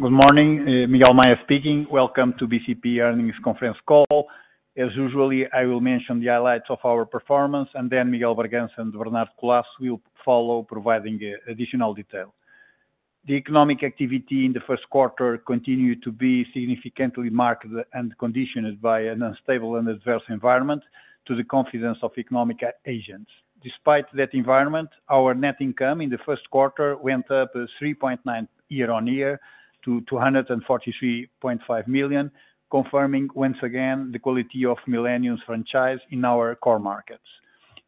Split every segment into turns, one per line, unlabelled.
Good morning. Miguel Maya speaking. Welcome to BCP Earnings Conference call. As usual, I will mention the highlights of our performance, and then Miguel Bragança and Bernardo Colaço will follow, providing additional detail. The economic activity in the first quarter continued to be significantly marked and conditioned by an unstable and adverse environment to the confidence of economic agents. Despite that environment, our net income in the first quarter went up 3.9% year-on-year to 243.5 million, confirming once again the quality of Millennium's franchise in our core markets.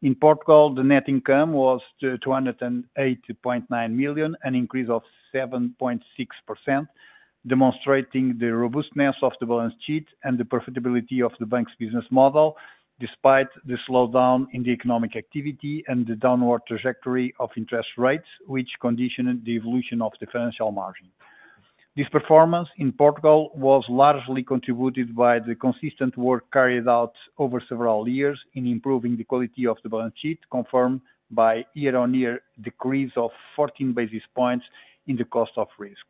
In Portugal, the net income was 208.9 million, an increase of 7.6%, demonstrating the robustness of the balance sheet and the profitability of the bank's business model, despite the slowdown in the economic activity and the downward trajectory of interest rates, which conditioned the evolution of the financial margin. This performance in Portugal was largely contributed by the consistent work carried out over several years in improving the quality of the balance sheet, confirmed by year-on-year decrease of 14 basis points in the cost of risk.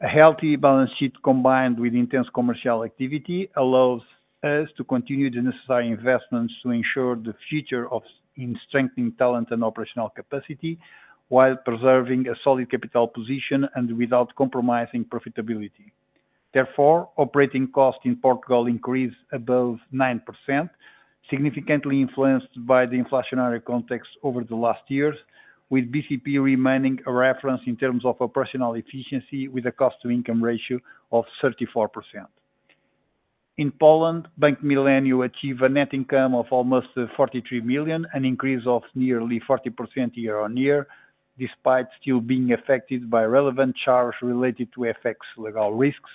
A healthy balance sheet, combined with intense commercial activity, allows us to continue the necessary investments to ensure the future of strengthening talent and operational capacity while preserving a solid capital position and without compromising profitability. Therefore, operating costs in Portugal increased above 9%, significantly influenced by the inflationary context over the last years, with BCP remaining a reference in terms of operational efficiency, with a cost-to-income ratio of 34%. In Poland, Bank Millennium achieved a net income of almost 43 million, an increase of nearly 40% year-on-year, despite still being affected by relevant charges related to FX legal risks,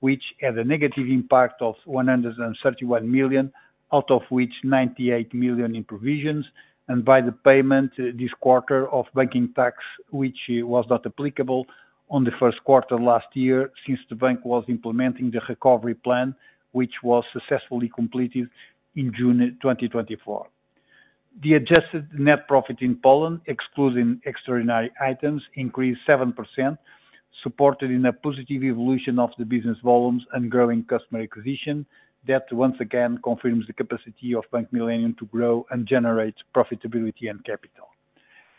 which had a negative impact of 131 million, out of which 98 million in provisions, and by the payment this quarter of banking tax, which was not applicable on the first quarter last year since the bank was implementing the recovery plan, which was successfully completed in June 2024. The adjusted net profit in Poland, excluding extraordinary items, increased 7%, supported in a positive evolution of the business volumes and growing customer acquisition that once again confirms the capacity of Bank Millennium to grow and generate profitability and capital.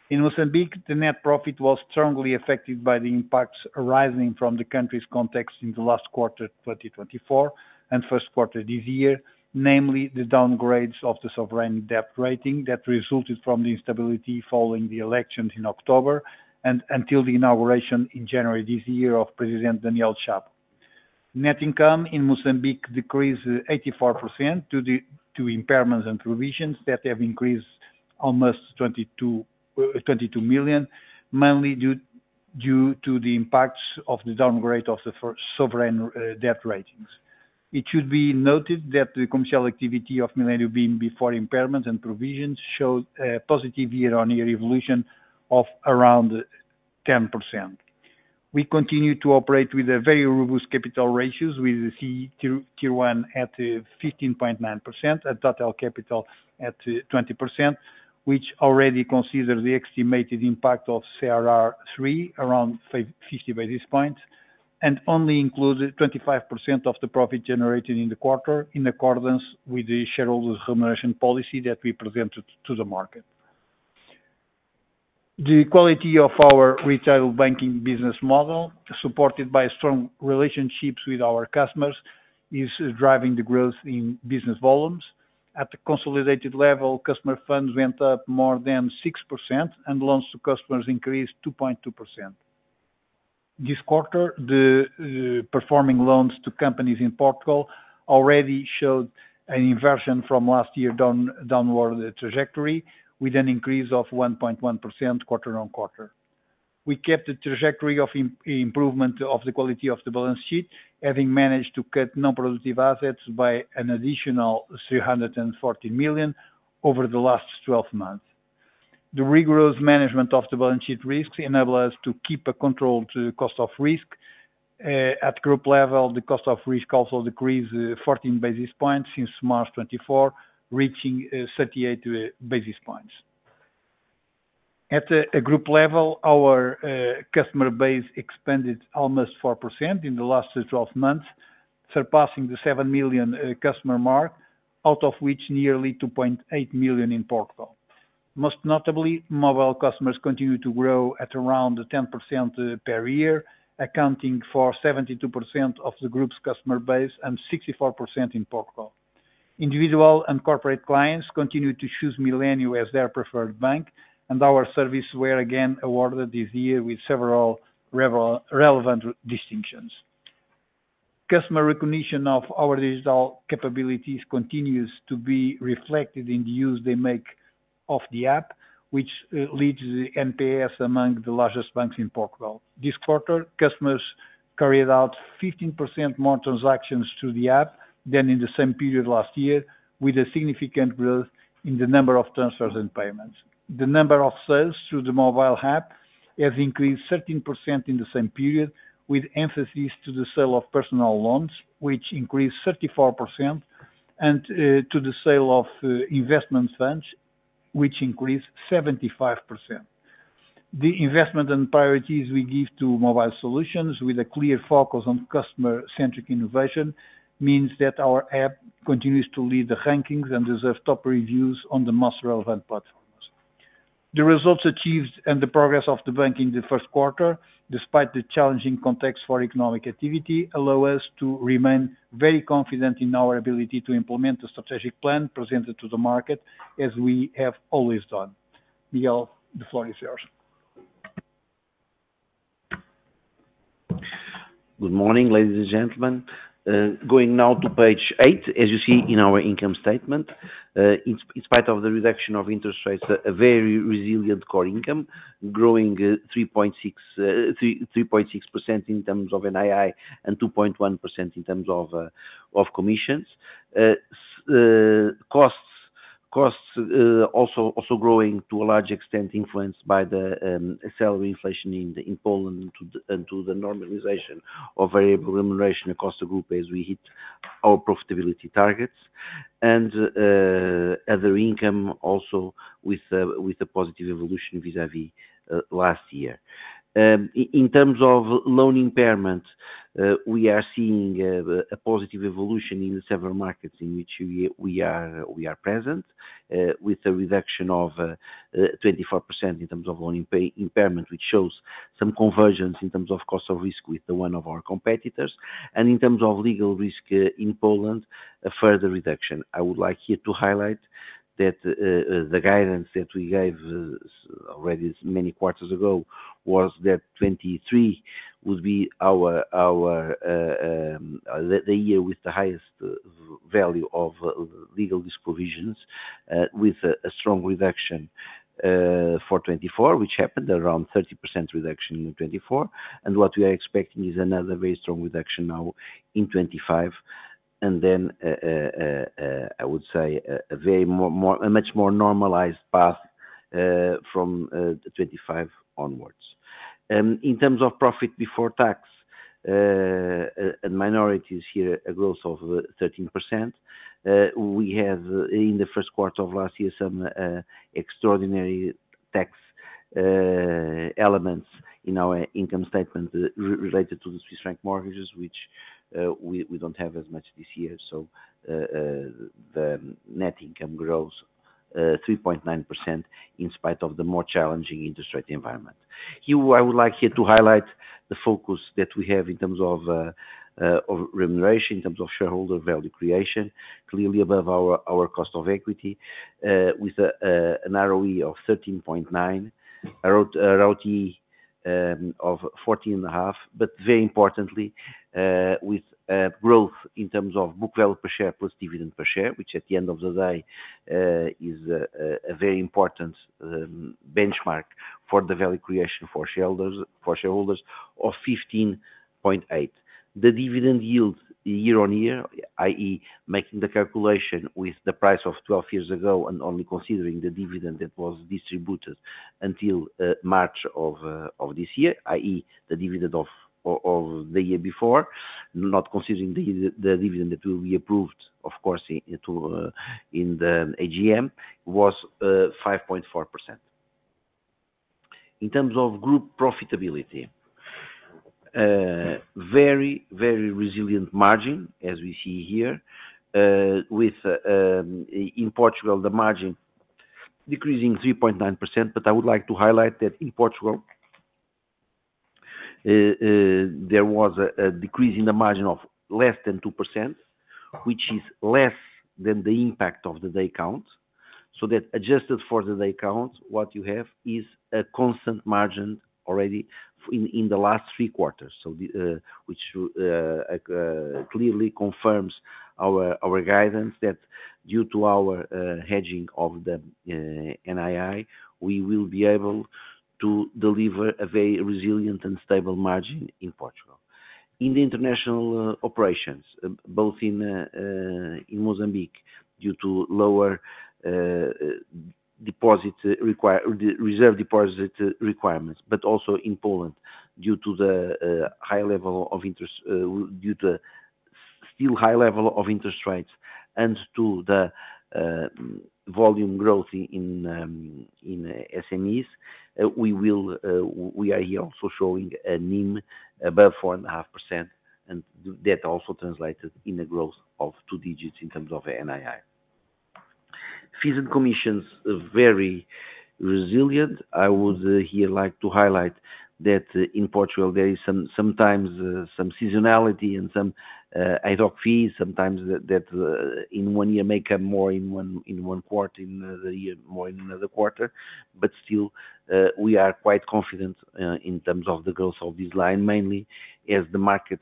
In Mozambique, the net profit was strongly affected by the impacts arising from the country's context in the last quarter 2024 and first quarter this year, namely the downgrades of the sovereign debt rating that resulted from the instability following the elections in October and until the inauguration in January this year of President Daniel Chapo. Net income in Mozambique decreased 84% due to impairments and provisions that have increased almost 22 million, mainly due to the impacts of the downgrade of the sovereign debt ratings. It should be noted that the commercial activity of Millennium, being before impairments and provisions, showed a positive year-on-year evolution of around 10%. We continue to operate with very robust capital ratios, with the CTR1 at 15.9% and total capital at 20%, which already considers the estimated impact of CRR3 around 50 basis points and only includes 25% of the profit generated in the quarter, in accordance with the shareholders' remuneration policy that we presented to the market. The quality of our retail banking business model, supported by strong relationships with our customers, is driving the growth in business volumes. At a consolidated level, customer funds went up more than 6%, and loans to customers increased 2.2%. This quarter, the performing loans to companies in Portugal already showed an inversion from last year's downward trajectory, with an increase of 1.1% quarter-on-quarter. We kept the trajectory of improvement of the quality of the balance sheet, having managed to cut non-productive assets by an additional 340 million over the last 12 months. The rigorous management of the balance sheet risks enables us to keep a controlled cost of risk. At group level, the cost of risk also decreased 14 basis points since March 2024, reaching 38 basis points. At a group level, our customer base expanded almost 4% in the last 12 months, surpassing the 7 million customer mark, out of which nearly 2.8 million in Portugal. Most notably, mobile customers continue to grow at around 10% per year, accounting for 72% of the group's customer base and 64% in Portugal. Individual and corporate clients continue to choose Millennium as their preferred bank, and our service was again awarded this year with several relevant distinctions. Customer recognition of our digital capabilities continues to be reflected in the use they make of the app, which leads the NPS among the largest banks in Portugal. This quarter, customers carried out 15% more transactions through the app than in the same period last year, with a significant growth in the number of transfers and payments. The number of sales through the mobile app has increased 13% in the same period, with emphasis to the sale of personal loans, which increased 34%, and to the sale of investment funds, which increased 75%. The investment and priorities we give to mobile solutions, with a clear focus on customer-centric innovation, mean that our app continues to lead the rankings and deserves top reviews on the most relevant platforms. The results achieved and the progress of the bank in the first quarter, despite the challenging context for economic activity, allow us to remain very confident in our ability to implement the strategic plan presented to the market, as we have always done. Miguel, the floor is yours.
Good morning, ladies and gentlemen. Going now to page eight, as you see in our income statement. In spite of the reduction of interest rates, a very resilient core income, growing 3.6% in terms of NII and 2.1% in terms of commissions. Costs also growing to a large extent, influenced by the accelerating inflation in Poland and the normalization of variable remuneration across the group as we hit our profitability targets. Other income also with a positive evolution vis-à-vis last year. In terms of loan impairment, we are seeing a positive evolution in several markets in which we are present, with a reduction of 24% in terms of loan impairment, which shows some convergence in terms of cost of risk with one of our competitors. In terms of legal risk in Poland, a further reduction. I would like here to highlight that the guidance that we gave already many quarters ago was that 2023 would be the year with the highest value of legal risk provisions, with a strong reduction for 2024, which happened, around 30% reduction in 2024. What we are expecting is another very strong reduction now in 2025. I would say, a much more normalized path from 2025 onwards. In terms of profit before tax and minorities here, a growth of 13%. We had, in the first quarter of last year, some extraordinary tax elements in our income statement related to the Swiss franc mortgages, which we do not have as much this year. The net income grows 3.9% in spite of the more challenging interest rate environment. I would like here to highlight the focus that we have in terms of remuneration, in terms of shareholder value creation, clearly above our cost of equity, with an ROE of 13.9%, ROT of 14.5%, but very importantly, with growth in terms of book value per share plus dividend per share, which at the end of the day is a very important benchmark for the value creation for shareholders of 15.8%. The dividend yield year-on-year, i.e., making the calculation with the price of 12 years ago and only considering the dividend that was distributed until March of this year, i.e., the dividend of the year before, not considering the dividend that will be approved, of course, in the AGM, was 5.4%. In terms of group profitability, very, very resilient margin, as we see here, with, in Portugal, the margin decreasing 3.9%. I would like to highlight that in Portugal, there was a decrease in the margin of less than 2%, which is less than the impact of the day count. Adjusted for the day count, what you have is a constant margin already in the last three quarters, which clearly confirms our guidance that due to our hedging of the NII, we will be able to deliver a very resilient and stable margin in Portugal. In the international operations, both in Mozambique, due to lower reserve deposit requirements, but also in Poland, due to still high level of interest rates, and to the volume growth in SMEs, we are here also showing a NIM above 4.5%, and that also translated in a growth of two digits in terms of NII. Fees and commissions are very resilient. I would here like to highlight that in Portugal, there is sometimes some seasonality and some ad hoc fees, sometimes that in one year may come more in one quarter, in the year more in another quarter. Still, we are quite confident in terms of the growth of this line, mainly as the market,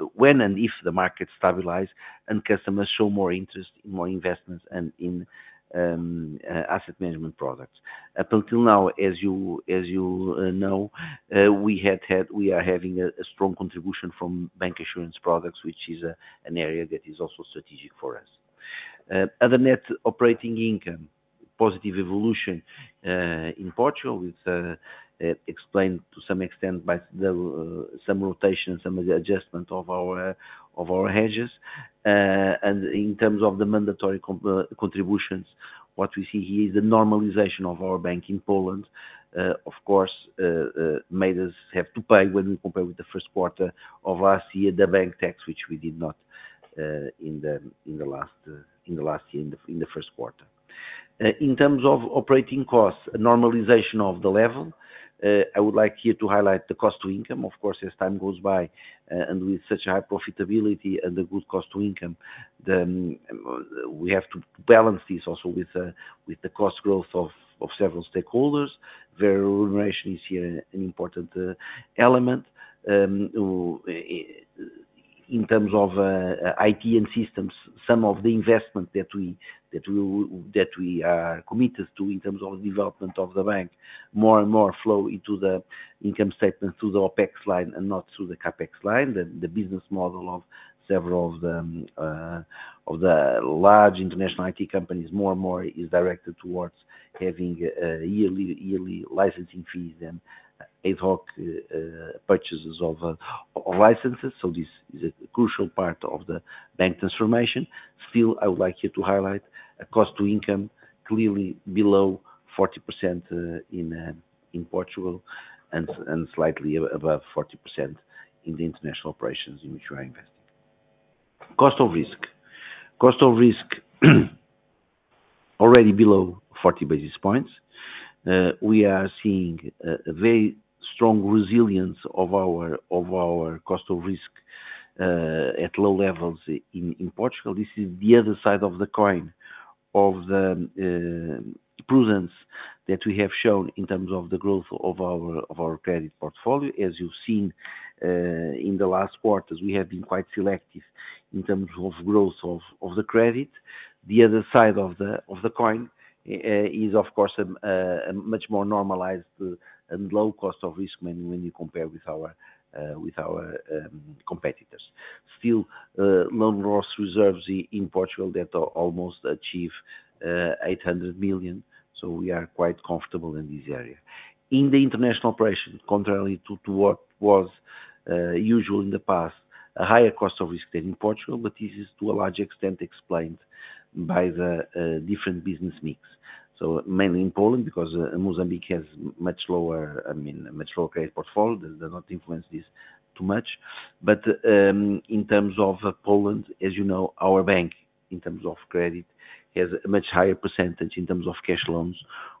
or when and if the market stabilizes and customers show more interest in more investments and in asset management products. Up until now, as you know, we are having a strong contribution from bank assurance products, which is an area that is also strategic for us. Other net operating income, positive evolution in Portugal, with explained to some extent by some rotation, some adjustment of our hedges. In terms of the mandatory contributions, what we see here is the normalization of our bank in Poland, of course, made us have to pay when we compare with the first quarter of last year the bank tax, which we did not in the last year in the first quarter. In terms of operating costs, a normalization of the level. I would like here to highlight the cost-to-income, of course, as time goes by, and with such high profitability and a good cost-to-income, we have to balance this also with the cost growth of several stakeholders. Variable remuneration is here an important element. In terms of IT and systems, some of the investment that we are committed to in terms of the development of the bank more and more flow into the income statement through the OpEx line and not through the CapEx line. The business model of several of the large international IT companies more and more is directed towards having yearly licensing fees and ad hoc purchases of licenses. This is a crucial part of the bank transformation. Still, I would like here to highlight a cost-to-income clearly below 40% in Portugal and slightly above 40% in the international operations in which we are investing. Cost of risk. Cost of risk already below 40 basis points. We are seeing a very strong resilience of our cost of risk at low levels in Portugal. This is the other side of the coin of the prudence that we have shown in terms of the growth of our credit portfolio. As you have seen in the last quarters, we have been quite selective in terms of growth of the credit. The other side of the coin is, of course, a much more normalized and low cost of risk when you compare with our competitors. Still, loan loss reserves in Portugal that almost achieve 800 million, so we are quite comfortable in this area. In the international operation, contrary to what was usual in the past, a higher cost of risk than in Portugal, but this is to a large extent explained by the different business mix. Mainly in Poland, because Mozambique has a much lower credit portfolio, does not influence this too much. In terms of Poland, as you know, our bank in terms of credit has a much higher percentage in terms of cash loans,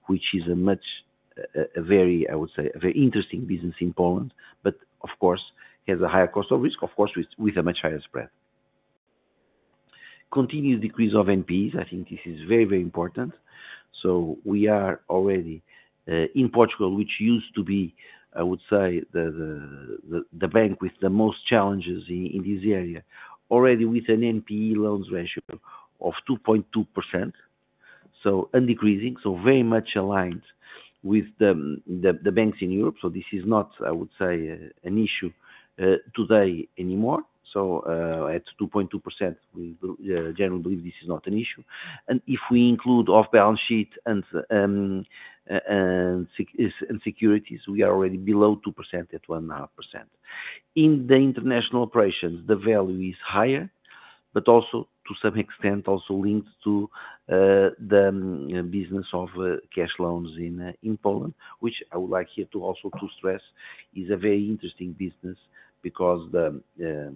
which is a very, I would say, a very interesting business in Poland, but of course, has a higher cost of risk, of course, with a much higher spread. Continued decrease of NPEs. I think this is very, very important. We are already in Portugal, which used to be, I would say, the bank with the most challenges in this area, already with an NPE loans ratio of 2.2%. Decreasing, very much aligned with the banks in Europe. This is not, I would say, an issue today anymore. At 2.2%, we generally believe this is not an issue. If we include off-balance sheet and securities, we are already below 2% at 1.5%. In the international operations, the value is higher, but also to some extent also linked to the business of cash loans in Poland, which I would like here to also stress is a very interesting business because the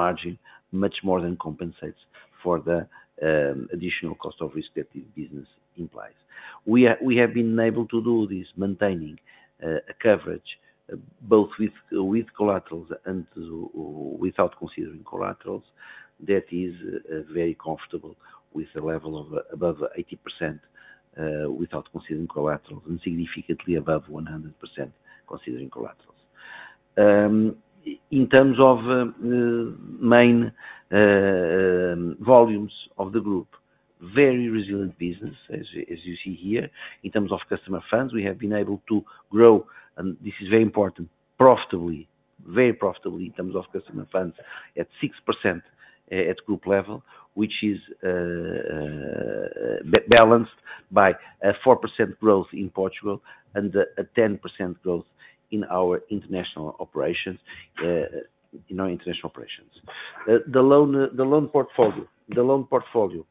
margin much more than compensates for the additional cost of risk that this business implies. We have been able to do this, maintaining a coverage both with collaterals and without considering collaterals. That is very comfortable with a level of above 80% without considering collaterals and significantly above 100% considering collaterals. In terms of main volumes of the group, very resilient business, as you see here. In terms of customer funds, we have been able to grow, and this is very important, profitably, very profitably in terms of customer funds at 6% at group level, which is balanced by a 4% growth in Portugal and a 10% growth in our international operations. The loan portfolio,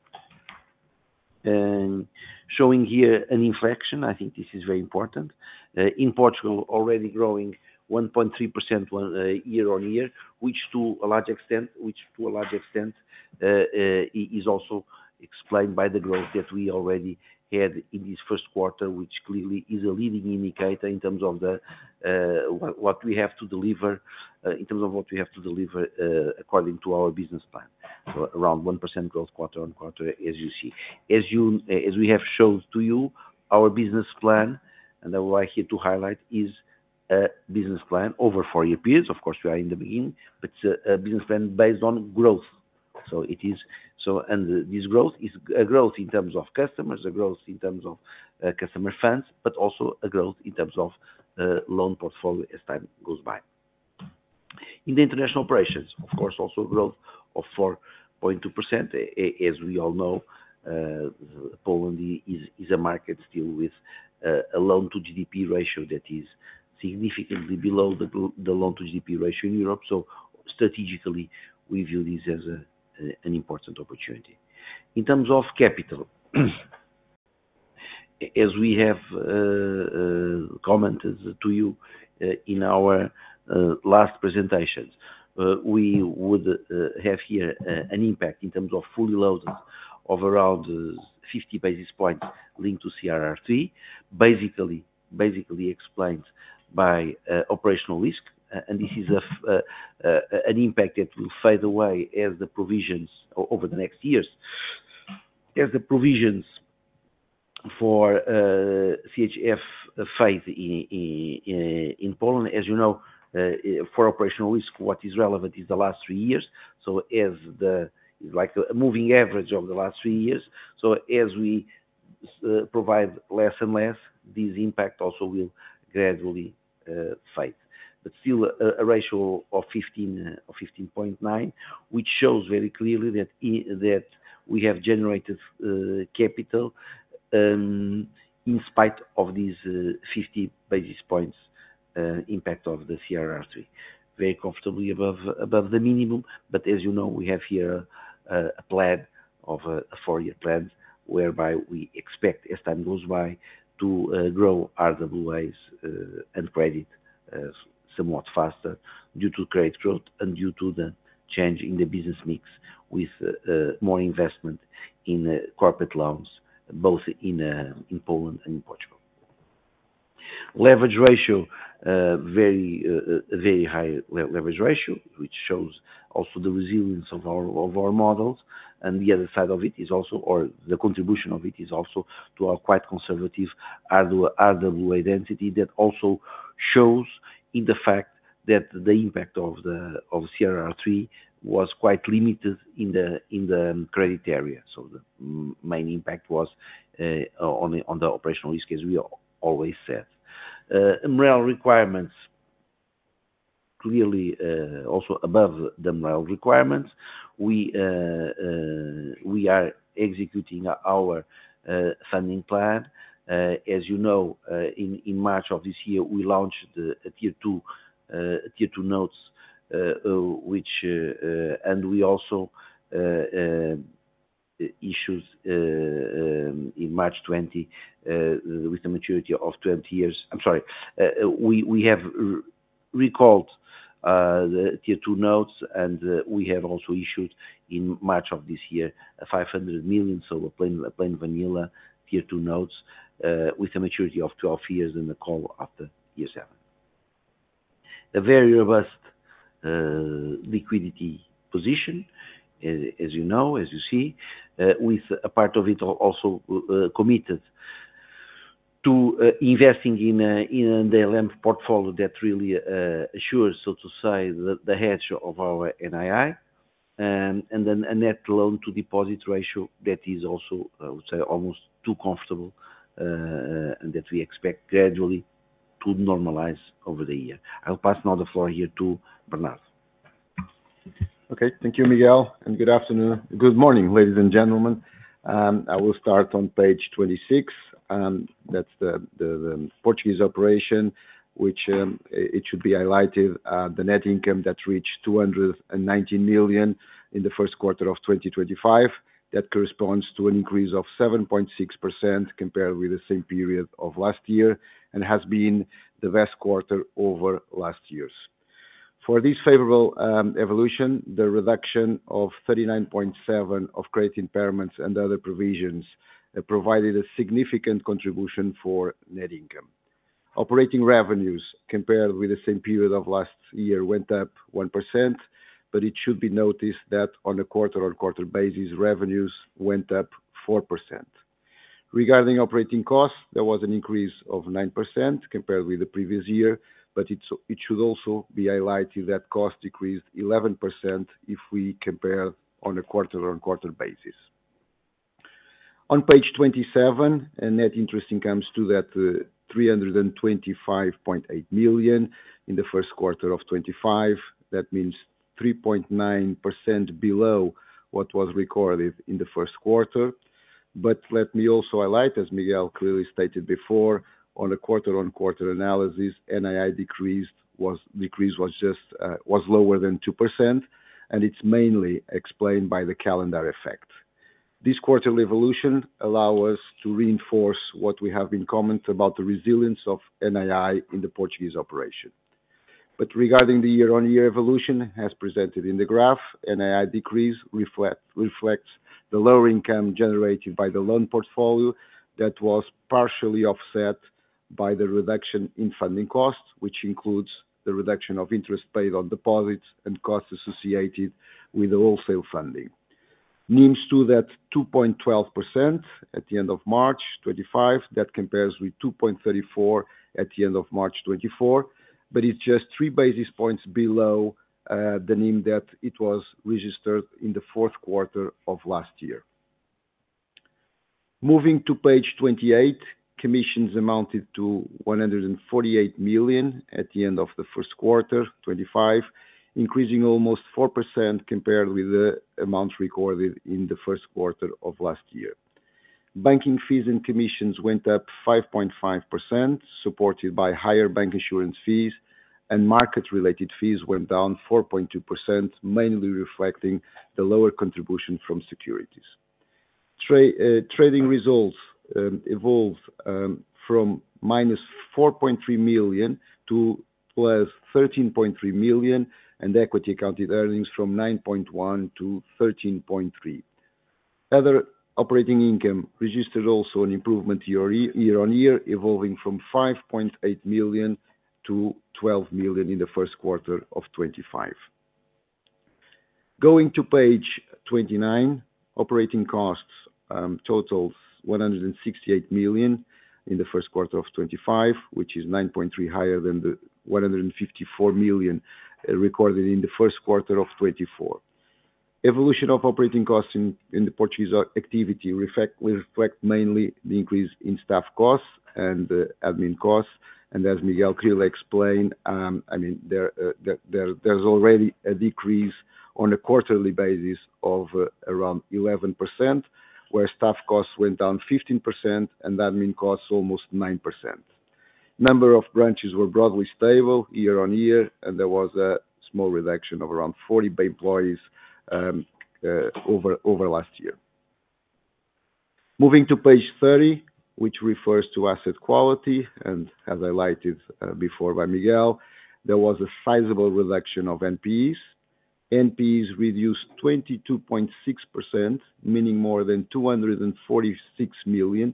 showing here an inflection. I think this is very important. In Portugal, already growing 1.3% year-on-year, which to a large extent is also explained by the growth that we already had in this first quarter, which clearly is a leading indicator in terms of what we have to deliver, in terms of what we have to deliver according to our business plan. Around 1% growth quarter-on-quarter, as you see. As we have showed to you, our business plan, and I would like here to highlight, is a business plan over four year periods. Of course, we are in the beginning, but it's a business plan based on growth. This growth is a growth in terms of customers, a growth in terms of customer funds, but also a growth in terms of loan portfolio as time goes by. In the international operations, of course, also growth of 4.2%. As we all know, Poland is a market still with a loan-to-GDP ratio that is significantly below the loan-to-GDP ratio in Europe. Strategically, we view this as an important opportunity. In terms of capital, as we have commented to you in our last presentations, we would have here an impact in terms of fully loaded of around 50 basis points linked to CRRT, basically explained by operational risk. This is an impact that will fade away as the provisions over the next years, as the provisions for CHF fade in Poland. As you know, for operational risk, what is relevant is the last three years. As the moving average of the last three years, as we provide less and less, this impact also will gradually fade. Still, a ratio of 15.9%, which shows very clearly that we have generated capital in spite of these 50 basis points impact of the CRRT. Very comfortably above the minimum. As you know, we have here a plan of a four-year plan whereby we expect, as time goes by, to grow RWAs and credit somewhat faster due to credit growth and due to the change in the business mix with more investment in corporate loans, both in Poland and in Portugal. Leverage ratio, very high leverage ratio, which shows also the resilience of our models. The other side of it is also, or the contribution of it is also to our quite conservative RWA density that also shows in the fact that the impact of CRRT was quite limited in the credit area. The main impact was on the operational risk, as we always said. MREL requirements, clearly also above the MREL requirements. We are executing our funding plan. As you know, in March of this year, we launched Tier 2 notes, which, and we also issued in March 2020 with the maturity of 12 years. I'm sorry. We have recalled the Tier 2 notes, and we have also issued in March of this year 500 million. So plain vanilla tier two notes with a maturity of 12 years and a call after year seven. A very robust liquidity position, as you know, as you see, with a part of it also committed to investing in an NLM portfolio that really assures, so to say, the hedge of our NII. And then a net loan-to-deposit ratio that is also, I would say, almost too comfortable and that we expect gradually to normalize over the year. I'll pass now the floor here to Bernardo. Okay.
Thank you, Miguel. Good afternoon. Good morning, ladies and gentlemen. I will start on page 26. That is the Portuguese operation, which it should be highlighted. The net income that reached 290 million in the first quarter of 2025. That corresponds to an increase of 7.6% compared with the same period of last year and has been the best quarter over last years. For this favorable evolution, the reduction of 39.7% of credit impairments and other provisions provided a significant contribution for net income. Operating revenues compared with the same period of last year went up 1%, but it should be noticed that on a quarter-on-quarter basis, revenues went up 4%. Regarding operating costs, there was an increase of 9% compared with the previous year, but it should also be highlighted that cost decreased 11% if we compared on a quarter-on-quarter basis. On page 27, net interest income stood at 325.8 million in the first quarter of 2025. That means 3.9% below what was recorded in the first quarter. Let me also highlight, as Miguel clearly stated before, on a quarter-on-quarter analysis, NII decrease was lower than 2%, and it's mainly explained by the calendar effect. This quarterly evolution allows us to reinforce what we have been commenting about the resilience of NII in the Portuguese operation. Regarding the year-on-year evolution, as presented in the graph, NII decrease reflects the lower income generated by the loan portfolio that was partially offset by the reduction in funding cost, which includes the reduction of interest paid on deposits and costs associated with the wholesale funding. NIM stood at 2.12% at the end of March 2025. That compares with 2.34% at the end of March 2024, but it's just three basis points below the NIM that it was registered in the fourth quarter of last year. Moving to page 28, commissions amounted to 148 million at the end of the first quarter 2025, increasing almost 4% compared with the amounts recorded in the first quarter of last year. Banking fees and commissions went up 5.5%, supported by higher bank insurance fees, and market-related fees went down 4.2%, mainly reflecting the lower contribution from securities. Trading results evolved from minus 4.3 million to plus 13.3 million, and equity accounted earnings from 9.1 million to 13.3 million. Other operating income registered also an improvement year-on-year, evolving from 5.8 million to 12 million in the first quarter of 2025. Going to page 29, operating costs totaled 168 million in the first quarter of 2025, which is 9.3% higher than the 154 million recorded in the first quarter of 2024. Evolution of operating costs in the Portuguese activity reflects mainly the increase in staff costs and admin costs. As Miguel clearly explained, I mean, there is already a decrease on a quarterly basis of around 11%, where staff costs went down 15% and admin costs almost 9%. Number of branches were broadly stable year-on-year, and there was a small reduction of around 40 employees over last year. Moving to page 30, which refers to asset quality, and as highlighted before by Miguel, there was a sizable reduction of NPEs. NPEs reduced 22.6%, meaning more than 246 million.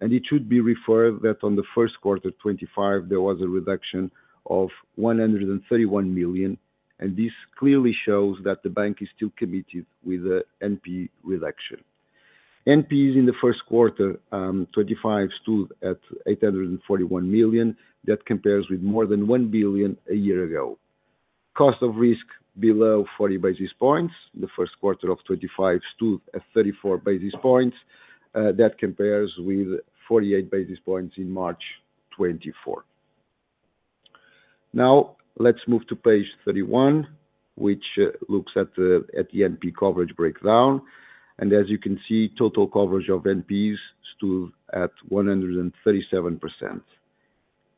It should be referred that in the first quarter of 2025, there was a reduction of 131 million. This clearly shows that the bank is still committed with the NPE reduction. NPEs in the first quarter 2025 stood at 841 million. That compares with more than 1 billion a year ago. Cost of risk below 40 basis points. The first quarter of 2025 stood at 34 basis points. That compares with 48 basis points in March 2024. Now, let's move to page 31, which looks at the NPE coverage breakdown. As you can see, total coverage of NPEs stood at 137%.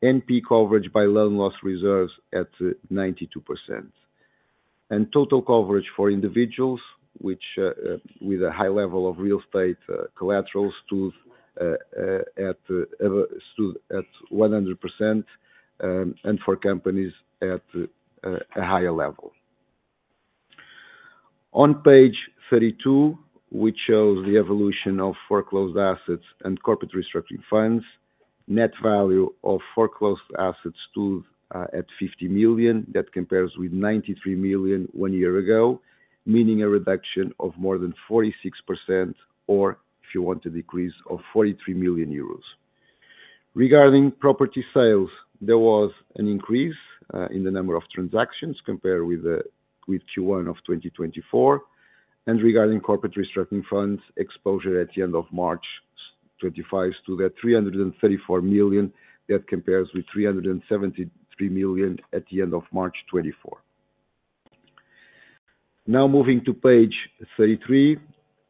NPE coverage by loan loss reserves at 92%. Total coverage for individuals, which with a high level of real estate collateral stood at 100%, and for companies at a higher level. On page 32, which shows the evolution of foreclosed assets and corporate restructuring funds, net value of foreclosed assets stood at 50 million. That compares with 93 million one year ago, meaning a reduction of more than 46%, or if you want a decrease of 43 million euros. Regarding property sales, there was an increase in the number of transactions compared with Q1 of 2024. Regarding corporate restructuring funds, exposure at the end of March 2025 stood at 334 million. That compares with 373 million at the end of March 2024. Now, moving to page 33,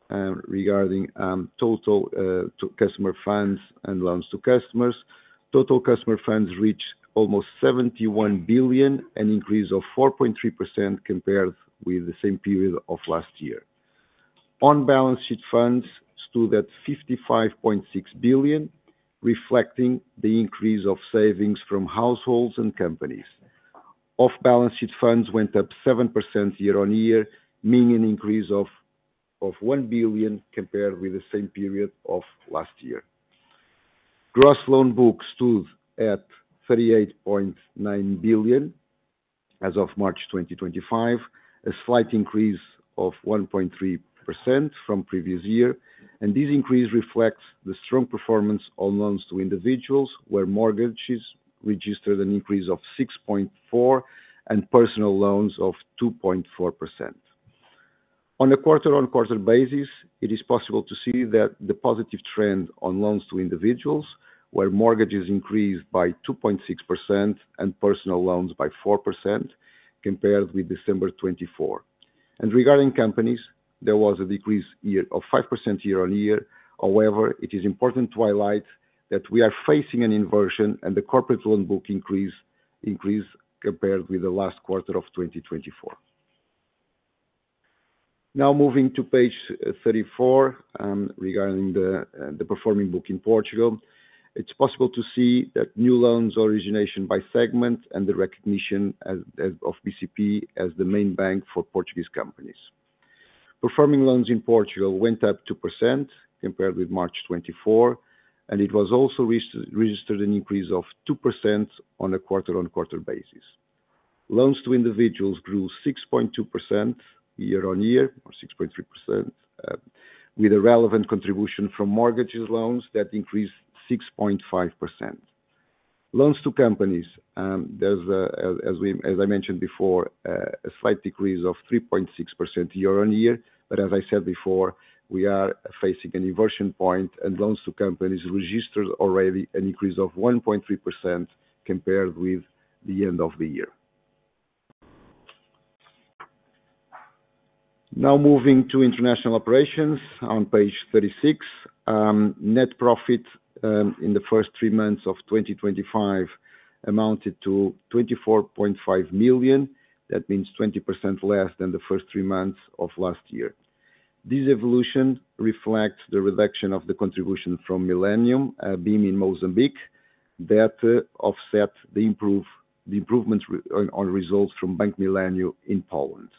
regarding total customer funds and loans to customers. Total customer funds reached almost 71 billion, an increase of 4.3% compared with the same period of last year. On-balance sheet funds stood at 55.6 billion, reflecting the increase of savings from households and companies. Off-balance sheet funds went up 7% year-on-year, meaning an increase of 1 billion compared with the same period of last year. Gross loan book stood at 38.9 billion as of March 2025, a slight increase of 1.3% from previous year. This increase reflects the strong performance on loans to individuals, where mortgages registered an increase of 6.4% and personal loans of 2.4%. On a quarter-on-quarter basis, it is possible to see that the positive trend on loans to individuals, where mortgages increased by 2.6% and personal loans by 4%, compared with December 2024. Regarding companies, there was a decrease of 5% year-on-year. However, it is important to highlight that we are facing an inversion and the corporate loan book increased compared with the last quarter of 2024. Now, moving to page 34, regarding the performing book in Portugal, it is possible to see that new loans origination by segment and the recognition of BCP as the main bank for Portuguese companies. Performing loans in Portugal went up 2% compared with March 2024, and it was also registered an increase of 2% on a quarter-on-quarter basis. Loans to individuals grew 6.2% year-on-year, or 6.3%, with a relevant contribution from mortgages loans that increased 6.5%. Loans to companies, there's, as I mentioned before, a slight decrease of 3.6% year-on-year. As I said before, we are facing an inversion point, and loans to companies registered already an increase of 1.3% compared with the end of the year. Now, moving to international operations on page 36, net profit in the first three months of 2025 amounted to 24.5 million. That means 20% less than the first three months of last year. This evolution reflects the reduction of the contribution from Millennium bim in Mozambique, that offset the improvement on results from Bank Millennium in Poland.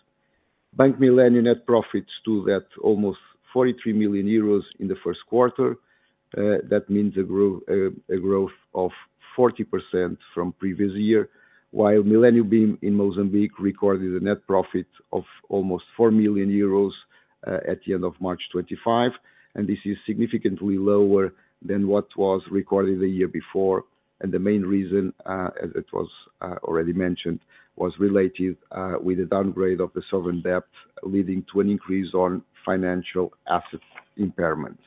Bank Millennium net profit stood at almost 43 million euros in the first quarter. That means a growth of 40% from previous year, while Millennium bim in Mozambique recorded a net profit of almost 4 million euros at the end of March 2025. This is significantly lower than what was recorded the year before. The main reason, as it was already mentioned, was related with the downgrade of the sovereign debt, leading to an increase on financial asset impairments.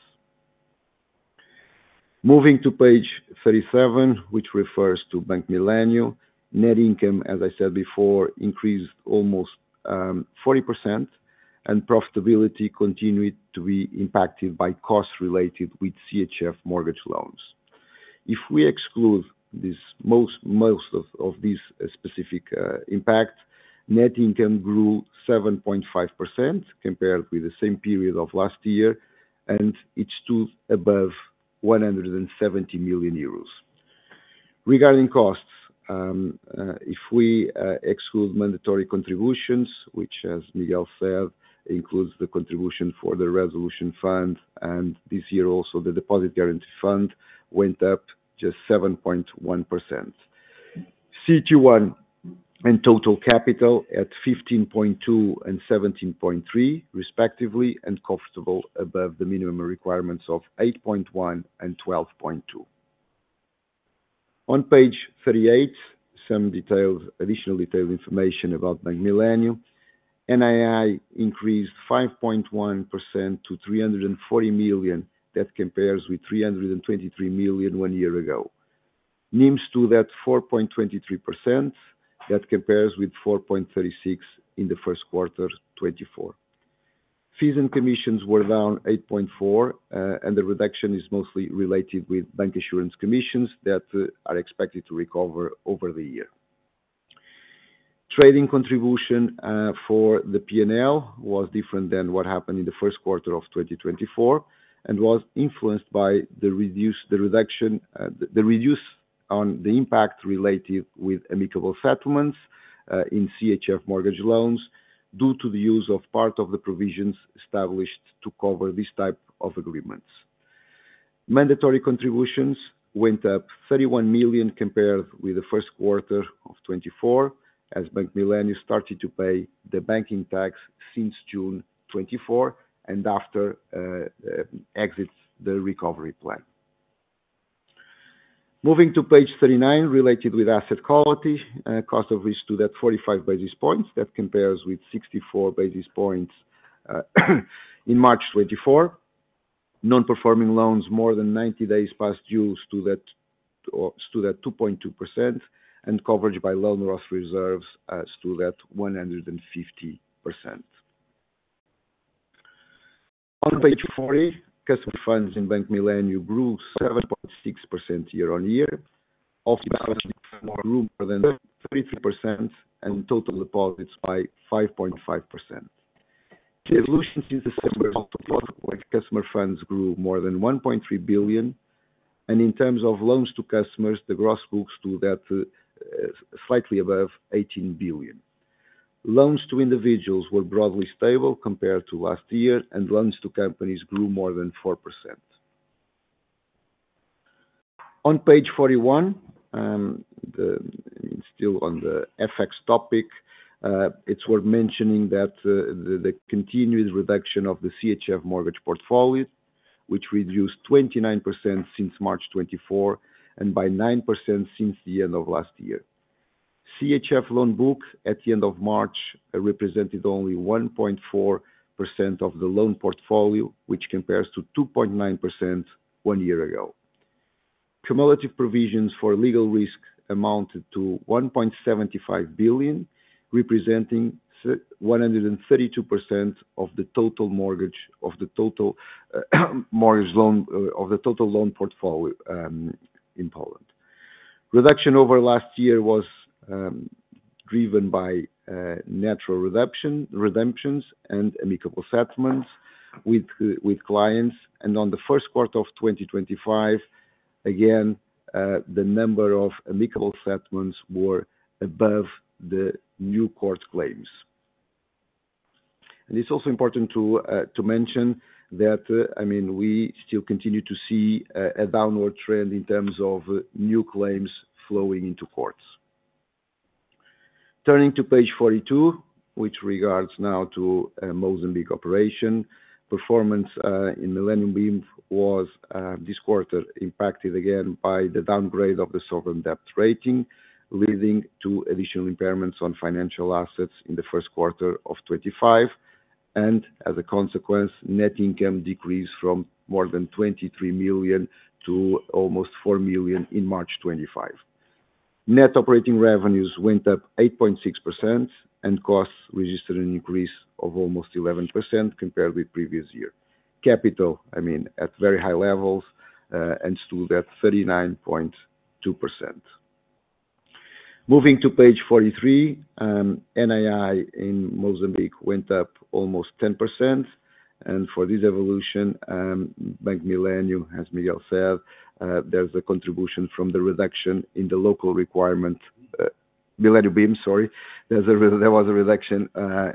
Moving to page 37, which refers to Bank Millennium, net income, as I said before, increased almost 40%, and profitability continued to be impacted by costs related with CHF mortgage loans. If we exclude most of these specific impacts, net income grew 7.5% compared with the same period of last year, and it stood above 170 million euros. Regarding costs, if we exclude mandatory contributions, which, as Miguel said, includes the contribution for the resolution fund, and this year also the deposit guarantee fund, went up just 7.1%. CET1 and total capital at 15.2% and 17.3%, respectively, and comfortable above the minimum requirements of 8.1% and 12.2%. On page 38, some additional detailed information about Bank Millennium. NII increased 5.1% to 340 million. That compares with 323 million one year ago. NIM stood at 4.23%. That compares with 4.36% in the first quarter 2024. Fees and commissions were down 8.4%, and the reduction is mostly related with bank assurance commissions that are expected to recover over the year. Trading contribution for the P&L was different than what happened in the first quarter of 2024 and was influenced by the reduction on the impact related with amicable settlements in CHF mortgage loans due to the use of part of the provisions established to cover this type of agreements. Mandatory contributions went up 31 million compared with the first quarter of 2024, as Bank Millennium started to pay the banking tax since June 2024 and after exit the recovery plan. Moving to page 39, related with asset quality, cost of risk stood at 45 basis points. That compares with 64 basis points in March 2024. Non-performing loans more than 90 days past due stood at 2.2%, and coverage by loan loss reserves stood at 150%. On page 40, customer funds in Bank Millennium grew 7.6% year-on-year. Off-balance sheet grew more than 33%, and total deposits by 5.5%. The evolution since December 2024, customer funds grew more than 1.3 billion. In terms of loans to customers, the gross books stood at slightly above 18 billion. Loans to individuals were broadly stable compared to last year, and loans to companies grew more than 4%. On page 41, still on the FX topic, it's worth mentioning the continued reduction of the CHF mortgage portfolio, which reduced 29% since March 2024 and by 9% since the end of last year. The CHF loan book at the end of March represented only 1.4% of the loan portfolio, which compares to 2.9% one year ago. Cumulative provisions for legal risk amounted to 1.75 billion, representing 132% of the total mortgage loan portfolio in Poland. Reduction over last year was driven by natural redemptions and amicable settlements with clients. On the first quarter of 2025, again, the number of amicable settlements were above the new court claims. It is also important to mention that, I mean, we still continue to see a downward trend in terms of new claims flowing into courts. Turning to page 42, which regards now to Mozambique operation, performance in Millennium BIM was this quarter impacted again by the downgrade of the sovereign debt rating, leading to additional impairments on financial assets in the first quarter of 2025. As a consequence, net income decreased from more than 23 million to almost 4 million in March 2025. Net operating revenues went up 8.6%, and costs registered an increase of almost 11% compared with previous year. Capital, I mean, at very high levels and stood at 39.2%. Moving to page 43, NII in Mozambique went up almost 10%. For this evolution, Bank Millennium, as Miguel said, there's a contribution from the reduction in the local requirement. Millennium bim, sorry, there was a reduction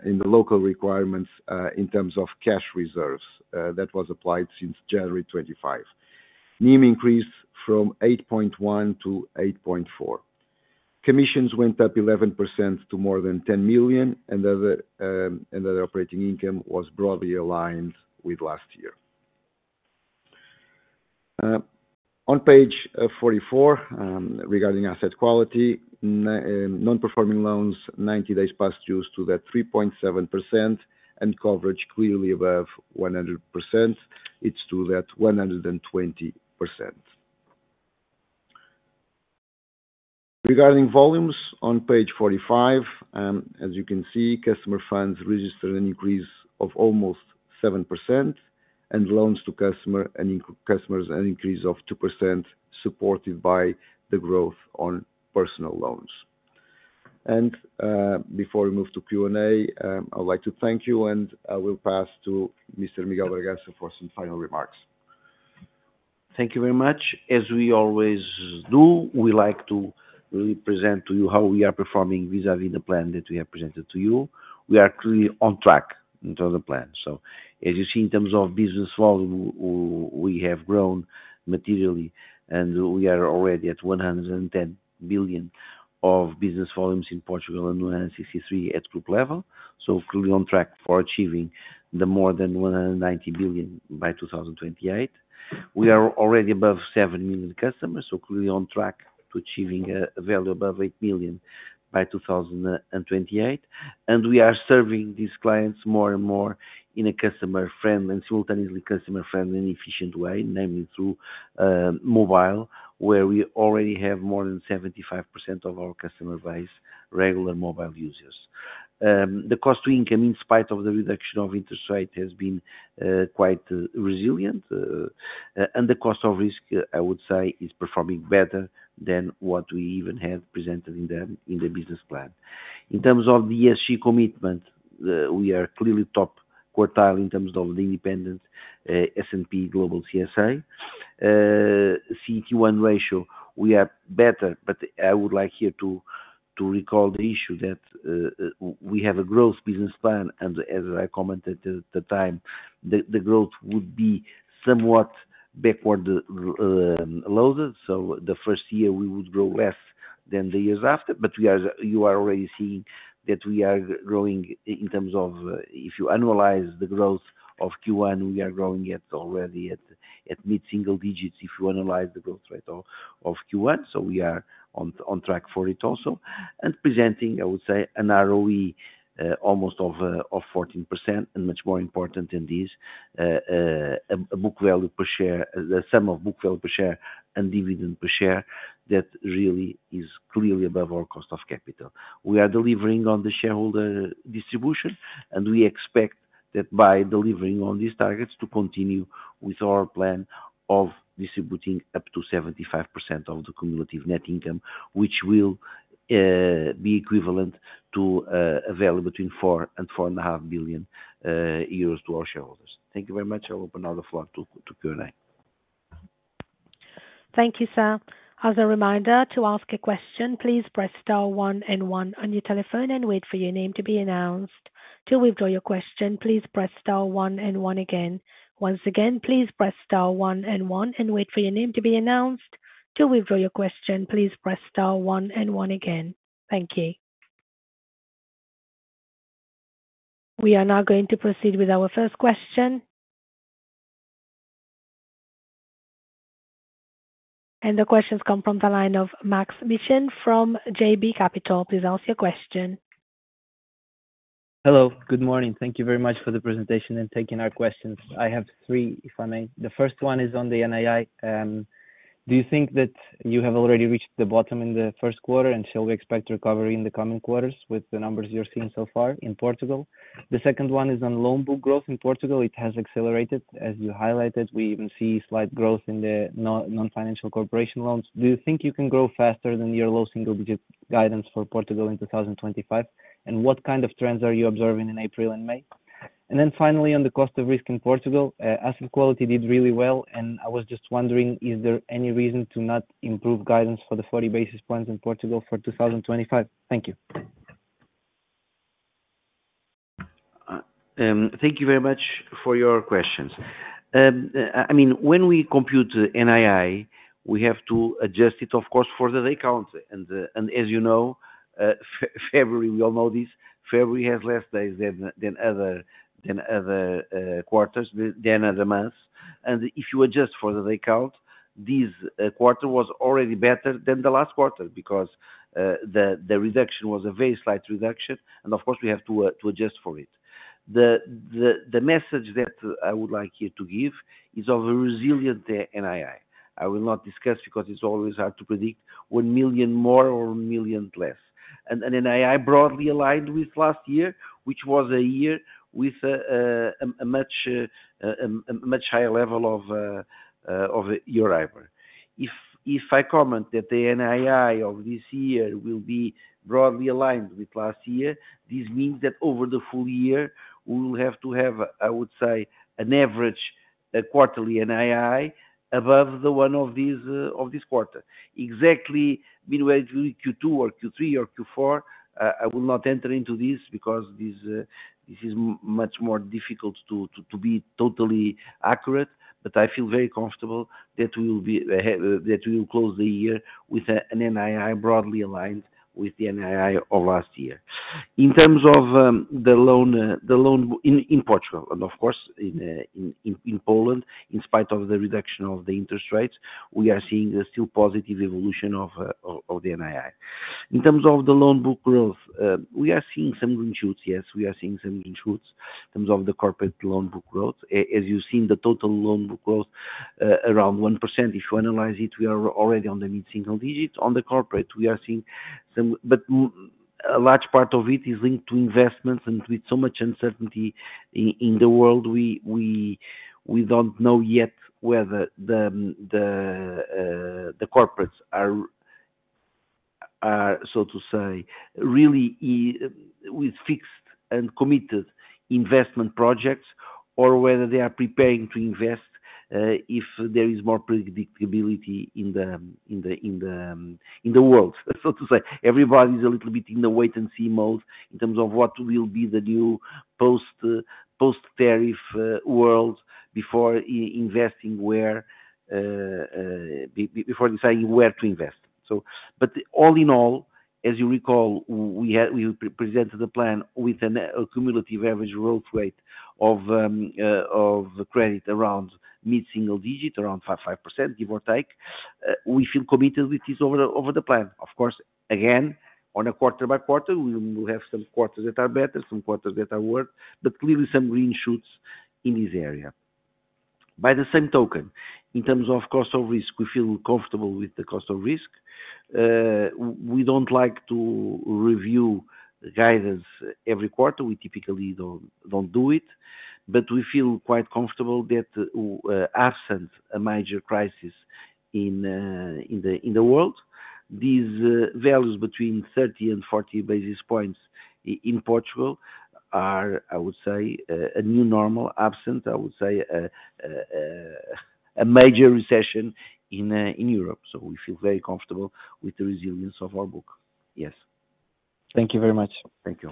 in the local requirements in terms of cash reserves that was applied since January 2025. NIM increased from 8.1% to 8.4%. Commissions went up 11% to more than 10 million, and the operating income was broadly aligned with last year. On page 44, regarding asset quality, non-performing loans 90 days past due stood at 3.7%, and coverage clearly above 100%. It stood at 120%. Regarding volumes on page 45, as you can see, customer funds registered an increase of almost 7%, and loans to customers an increase of 2% supported by the growth on personal loans. Before we move to Q&A, I would like to thank you, and I will pass to Mr. Miguel de Bragança for some final remarks.
Thank you very much. As we always do, we like to present to you how we are performing vis-à-vis the plan that we have presented to you. We are clearly on track in terms of the plan. As you see, in terms of business volume, we have grown materially, and we are already at 110 billion of business volumes in Portugal and 163 billion at group level. Clearly on track for achieving the more than 190 billion by 2028. We are already above 7 million customers, clearly on track to achieving a value above 8 million by 2028. We are serving these clients more and more in a customer-friendly and simultaneously customer-friendly and efficient way, namely through mobile, where we already have more than 75% of our customer base, regular mobile users. The cost-to-income, in spite of the reduction of interest rate, has been quite resilient. The cost of risk, I would say, is performing better than what we even had presented in the business plan. In terms of the ESG commitment, we are clearly top quartile in terms of the independent S&P Global CSA. CTR1 ratio, we are better, but I would like here to recall the issue that we have a growth business plan, and as I commented at the time, the growth would be somewhat backward loaded. The first year, we would grow less than the years after. You are already seeing that we are growing in terms of, if you analyze the growth of Q1, we are growing at already at mid-single digits if you analyze the growth rate of Q1. We are on track for it also. Presenting, I would say, an ROE almost of 14%, and much more important than this, a book value per share, the sum of book value per share and dividend per share that really is clearly above our cost of capital. We are delivering on the shareholder distribution, and we expect that by delivering on these targets to continue with our plan of distributing up to 75% of the cumulative net income, which will be equivalent to a value between 4 billion-4.5 billion euros to our shareholders. Thank you very much. I'll open now the floor to Q&A.
Thank you, sir. As a reminder, to ask a question, please press star one and one on your telephone and wait for your name to be announced. To withdraw your question, please press star one and one again. Once again, please press star one and one and wait for your name to be announced. To withdraw your question, please press star one and one again. Thank you. We are now going to proceed with our first question. The questions come from the line of Maksym Mishyn from JB Capital. Please ask your question.
Hello. Good morning. Thank you very much for the presentation and taking our questions. I have three, if I may. The first one is on the NII. Do you think that you have already reached the bottom in the first quarter, and shall we expect recovery in the coming quarters with the numbers you are seeing so far in Portugal? The second one is on loan book growth in Portugal. It has accelerated, as you highlighted. We even see slight growth in the non-financial corporation loans. Do you think you can grow faster than your low single digit guidance for Portugal in 2025? What kind of trends are you observing in April and May? Finally, on the cost of risk in Portugal, asset quality did really well, and I was just wondering, is there any reason to not improve guidance for the 40 basis points in Portugal for 2025? Thank you.
Thank you very much for your questions. I mean, when we compute NII, we have to adjust it, of course, for the day count. As you know, February, we all know this, February has less days than other quarters, than other months. If you adjust for the day count, this quarter was already better than the last quarter because the reduction was a very slight reduction, and of course, we have to adjust for it. The message that I would like here to give is of a resilient NII. I will not discuss because it's always hard to predict 1 million more or 1 million less. An NII broadly aligned with last year, which was a year with a much higher level of your IBAR. If I comment that the NII of this year will be broadly aligned with last year, this means that over the full year, we will have to have, I would say, an average quarterly NII above the one of this quarter. Exactly midway through Q2 or Q3 or Q4, I will not enter into this because this is much more difficult to be totally accurate, but I feel very comfortable that we will close the year with an NII broadly aligned with the NII of last year. In terms of the loan in Portugal, and of course, in Poland, in spite of the reduction of the interest rates, we are seeing still positive evolution of the NII. In terms of the loan book growth, we are seeing some green shoots, yes, we are seeing some green shoots in terms of the corporate loan book growth. As you've seen, the total loan book growth is around 1%. If you analyze it, we are already on the mid-single digit. On the corporate, we are seeing some, but a large part of it is linked to investments, and with so much uncertainty in the world, we don't know yet whether the corporates are, so to say, really with fixed and committed investment projects, or whether they are preparing to invest if there is more predictability in the world, so to say. Everybody's a little bit in the wait-and-see mode in terms of what will be the new post-tariff world before deciding where to invest. All in all, as you recall, we presented a plan with a cumulative average growth rate of credit around mid-single digit, around 5%, give or take. We feel committed with this over the plan. Of course, again, on a quarter-by-quarter, we will have some quarters that are better, some quarters that are worse, but clearly some green shoots in this area. By the same token, in terms of cost of risk, we feel comfortable with the cost of risk. We don't like to review guidance every quarter. We typically do not do it, but we feel quite comfortable that absent a major crisis in the world, these values between 30 and 40 basis points in Portugal are, I would say, a new normal, absent, I would say, a major recession in Europe. We feel very comfortable with the resilience of our book. Yes.
Thank you very much.
Thank you.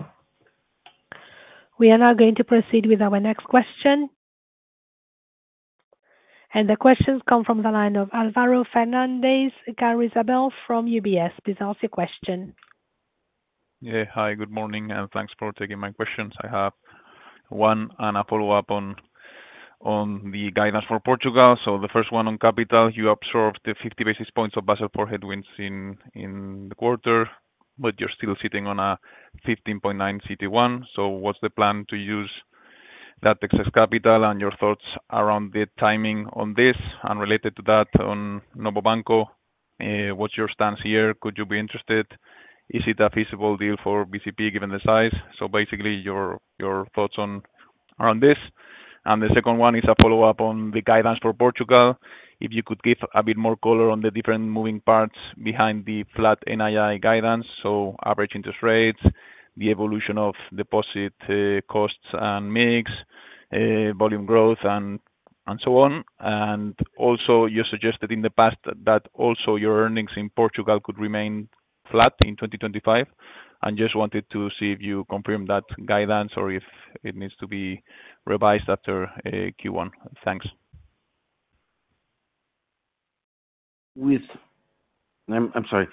We are now going to proceed with our next question. The questions come from the line of Álvaro Fernandez-Garayzabal from UBS. Please ask your question.
Yeah, hi, good morning, and thanks for taking my questions. I have one and a follow-up on the guidance for Portugal. The first one on capital, you absorbed the 50 basis points of Basel IV headwinds in the quarter, but you are still sitting on a 15.9% CTR1. What's the plan to use that excess capital and your thoughts around the timing on this? Related to that, on Novo Banco, what's your stance here? Could you be interested? Is it a feasible deal for BCP given the size? Basically, your thoughts around this. The second one is a follow-up on the guidance for Portugal. If you could give a bit more color on the different moving parts behind the flat NII guidance, so average interest rates, the evolution of deposit costs and mix, volume growth, and so on. Also, you suggested in the past that your earnings in Portugal could remain flat in 2025. I just wanted to see if you confirm that guidance or if it needs to be revised after Q1. Thanks.
I'm sorry,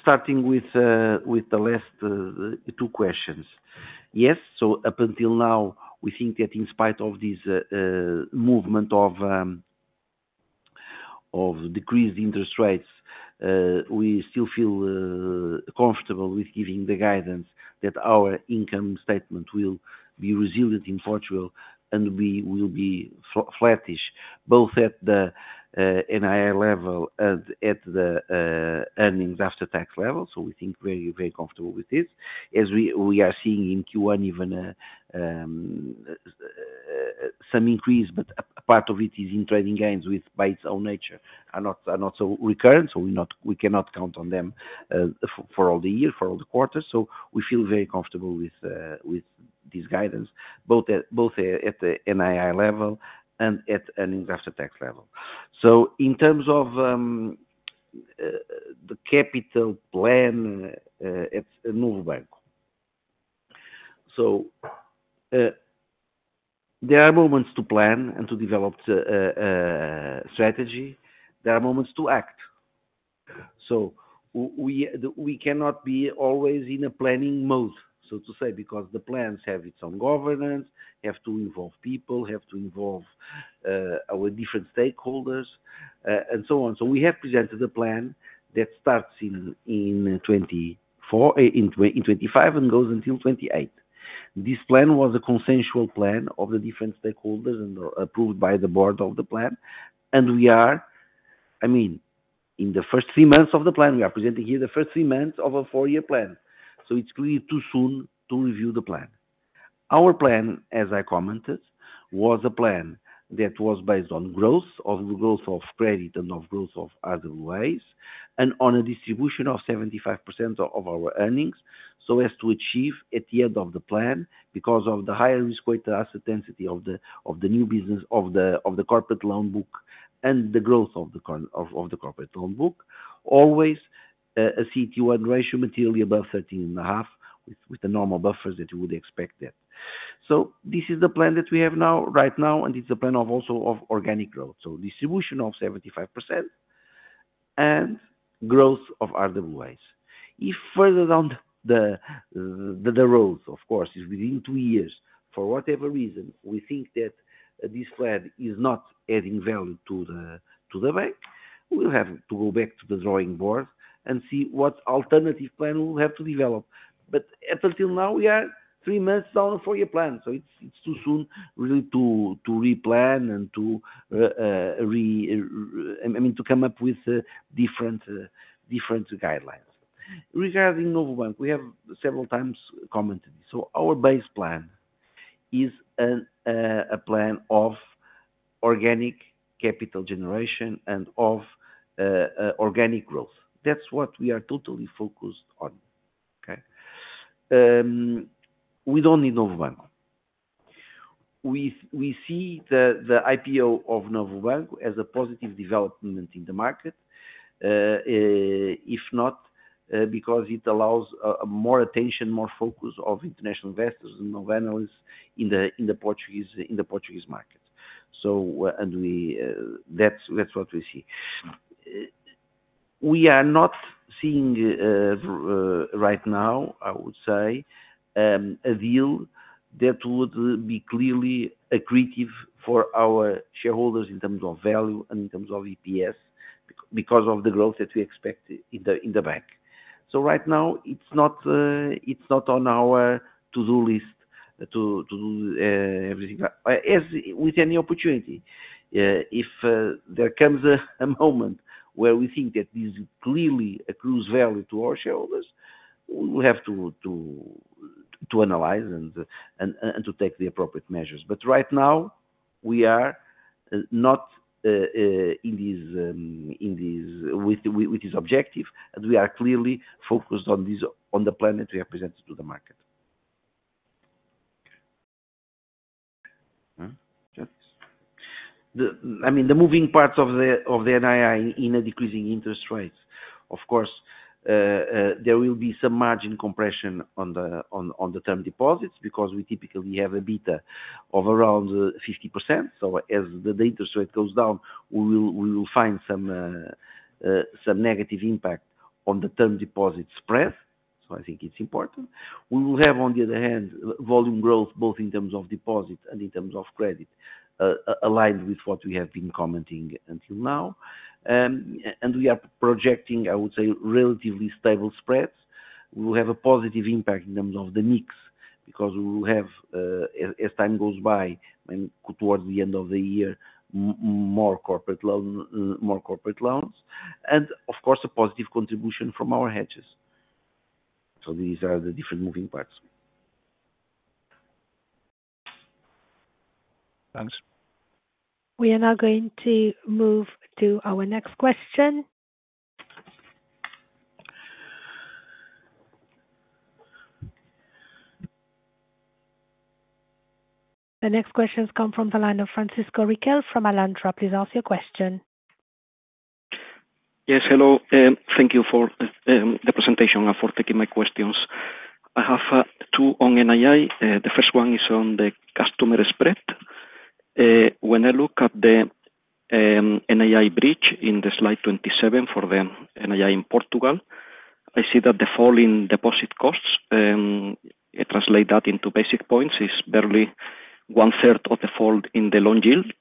starting with the last two questions. Yes, so up until now, we think that in spite of this movement of decreased interest rates, we still feel comfortable with giving the guidance that our income statement will be resilient in Portugal and we will be flattish, both at the NII level and at the earnings after-tax level. We think very, very comfortable with this. As we are seeing in Q1, even some increase, but a part of it is in trading gains by its own nature, are not so recurrent, so we cannot count on them for all the year, for all the quarters. We feel very comfortable with this guidance, both at the NII level and at earnings after-tax level. In terms of the capital plan at Novo Banco, there are moments to plan and to develop a strategy, there are moments to act. We cannot be always in a planning mode, so to say, because the plans have its own governance, have to involve people, have to involve our different stakeholders, and so on. We have presented a plan that starts in 2025 and goes until 2028. This plan was a consensual plan of the different stakeholders and approved by the board of the plan. We are, I mean, in the first three months of the plan, we are presenting here the first three months of a four-year plan. It is clearly too soon to review the plan. Our plan, as I commented, was a plan that was based on growth of the growth of credit and of growth of other ways, and on a distribution of 75% of our earnings. As to achieve at the end of the plan, because of the higher risk-weighted asset density of the new business, of the corporate loan book, and the growth of the corporate loan book, always a CT1 ratio materially above 13.5% with the normal buffers that you would expect that. This is the plan that we have right now, and it's a plan also of organic growth. Distribution of 75% and growth of RWAs. If further down the road, of course, if within two years, for whatever reason, we think that this plan is not adding value to the bank, we'll have to go back to the drawing board and see what alternative plan we'll have to develop. Up until now, we are three months down a four-year plan. It's too soon really to replan and to, I mean, to come up with different guidelines. Regarding Novo Banco, we have several times commented. Our base plan is a plan of organic capital generation and of organic growth. That is what we are totally focused on. Okay? We do not need Novo Banco. We see the IPO of Novo Banco as a positive development in the market, if not because it allows more attention, more focus of international investors and novel analysts in the Portuguese market. That is what we see. We are not seeing right now, I would say, a deal that would be clearly accretive for our shareholders in terms of value and in terms of EPS because of the growth that we expect in the bank. Right now, it is not on our to-do list to do everything. As with any opportunity, if there comes a moment where we think that this is clearly a cruise value to our shareholders, we will have to analyze and to take the appropriate measures. Right now, we are not in this with this objective, and we are clearly focused on the plan that we have presented to the market. I mean, the moving parts of the NII in a decreasing interest rate, of course, there will be some margin compression on the term deposits because we typically have a beta of around 50%. As the interest rate goes down, we will find some negative impact on the term deposit spread. I think it is important. We will have, on the other hand, volume growth both in terms of deposit and in terms of credit aligned with what we have been commenting until now. We are projecting, I would say, relatively stable spreads. We will have a positive impact in terms of the mix because we will have, as time goes by, towards the end of the year, more corporate loans. Of course, a positive contribution from our hedges. These are the different moving parts.
Thanks.
We are now going to move to our next question. The next questions come from the line of Francisco Riquel from Alantra. Please ask your question.
Yes, hello. Thank you for the presentation and for taking my questions. I have two on NII. The first one is on the customer spread. When I look at the NII bridge in slide 27 for the NII in Portugal, I see that the fall in deposit costs, translate that into basis points, is barely 1/3 of the fall in the loan yield.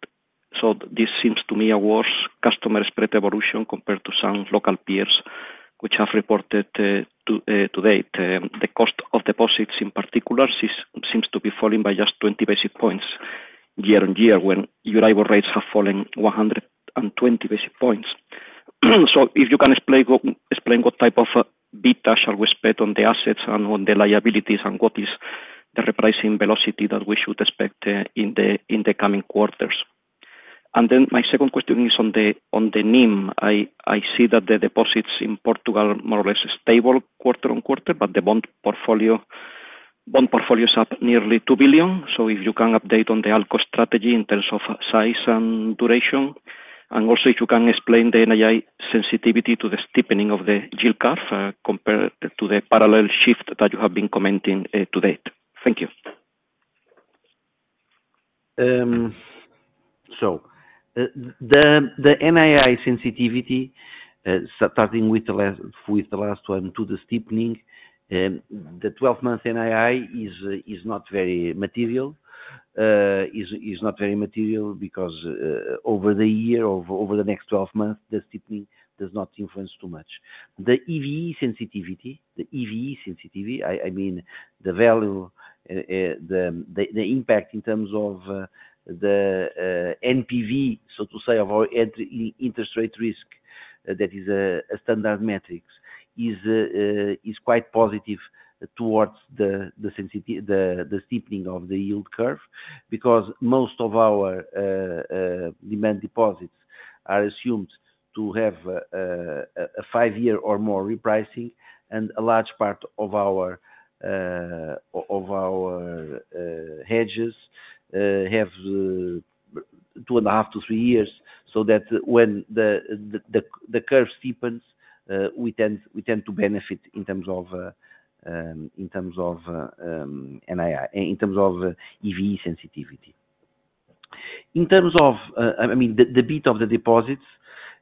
This seems to me a worse customer spread evolution compared to some local peers which have reported to date. The cost of deposits in particular seems to be falling by just 20 basis points year-on-year when your IBAR rates have fallen 120 basis points. If you can explain what type of beta shall we expect on the assets and on the liabilities and what is the repricing velocity that we should expect in the coming quarters. My second question is on the NIM. I see that the deposits in Portugal are more or less stable quarter-on-quarter, but the bond portfolios are nearly 2 billion. If you can update on the ALCO strategy in terms of size and duration, and also if you can explain the NII sensitivity to the steepening of the yield curve compared to the parallel shift that you have been commenting to date. Thank you.
The NII sensitivity, starting with the last one to the steepening, the 12-month NII is not very material. It is not very material because over the year, over the next 12 months, the steepening does not influence too much. The EVE sensitivity, I mean the value, the impact in terms of the NPV, so to say, of our interest rate risk that is a standard metric is quite positive towards the steepening of the yield curve because most of our demand deposits are assumed to have a five-year or more repricing, and a large part of our hedges have two and a half to three years so that when the curve steepens, we tend to benefit in terms of NII, in terms of EVE sensitivity. In terms of, I mean, the bit of the deposits,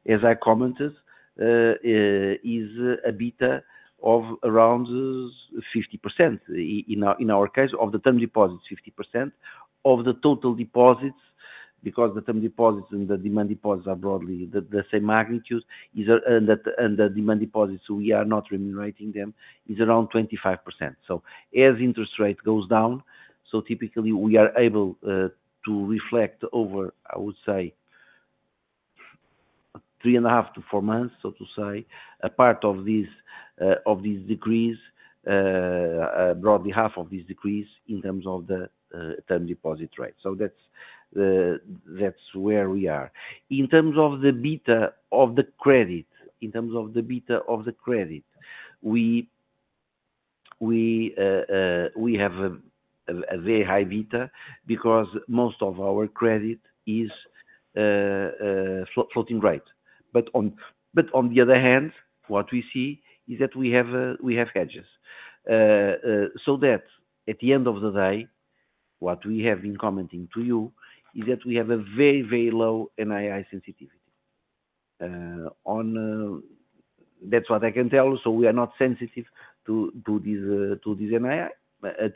as I commented, is a beta of around 50% in our case, of the term deposits, 50% of the total deposits because the term deposits and the demand deposits are broadly the same magnitude, and the demand deposits, we are not remunerating them, is around 25%. As interest rate goes down, typically we are able to reflect over, I would say, three and a half to four months, a part of these decreases, broadly half of these decreases in terms of the term deposit rate. That is where we are. In terms of the beta of the credit, in terms of the beta of the credit, we have a very high beta because most of our credit is floating rate. On the other hand, what we see is that we have hedges. At the end of the day, what we have been commenting to you is that we have a very, very low NII sensitivity. That is what I can tell you. We are not sensitive to these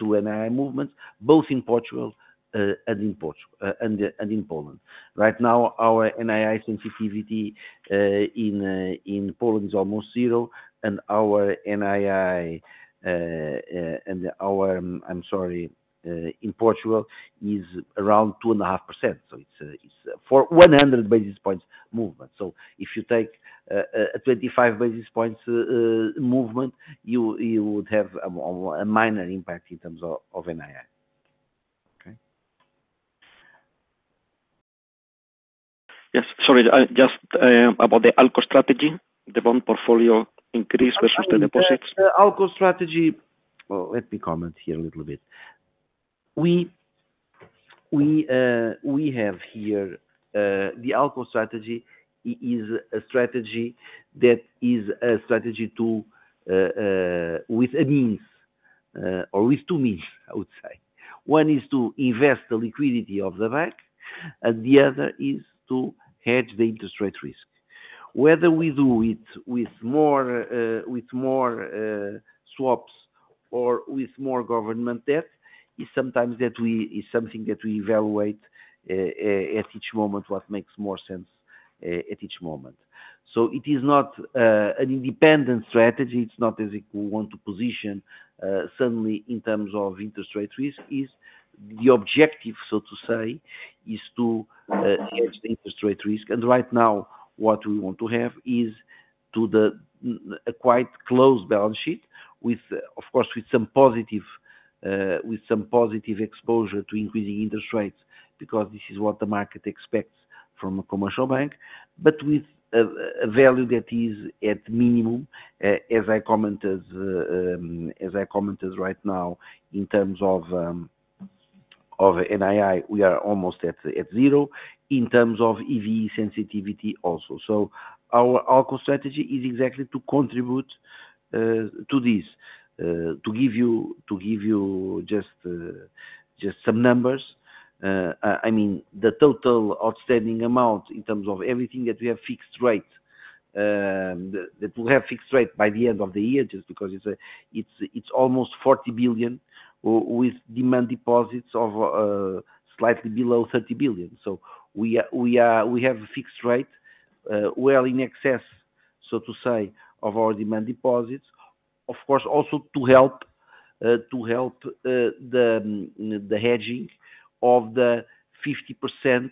NII movements, both in Portugal and in Poland. Right now, our NII sensitivity in Poland is almost zero, and our NII, and our, I'm sorry, in Portugal is around 2.5%. So it's 100 basis points movement. If you take a 25 basis points movement, you would have a minor impact in terms of NII. Okay?
Yes. Sorry, just about the ALCO strategy, the bond portfolio increase versus the deposits.
The ALCO strategy, let me comment here a little bit. We have here the ALCO strategy is a strategy that is a strategy with a means or with two means, I would say. One is to invest the liquidity of the bank, and the other is to hedge the interest rate risk. Whether we do it with more swaps or with more government debt is sometimes something that we evaluate at each moment what makes more sense at each moment. It is not an independent strategy. It's not as if we want to position suddenly in terms of interest rate risk. The objective, so to say, is to hedge the interest rate risk. Right now, what we want to have is a quite closed balance sheet, of course, with some positive exposure to increasing interest rates because this is what the market expects from a commercial bank, but with a value that is at minimum. As I commented right now, in terms of NII, we are almost at zero in terms of EVE sensitivity also. Our ALCO strategy is exactly to contribute to this. To give you just some numbers, I mean, the total outstanding amount in terms of everything that we have fixed rate, that we have fixed rate by the end of the year just because it's almost 40 billion with demand deposits of slightly below 30 billion. We have a fixed rate well in excess, so to say, of our demand deposits, of course, also to help the hedging of the 50%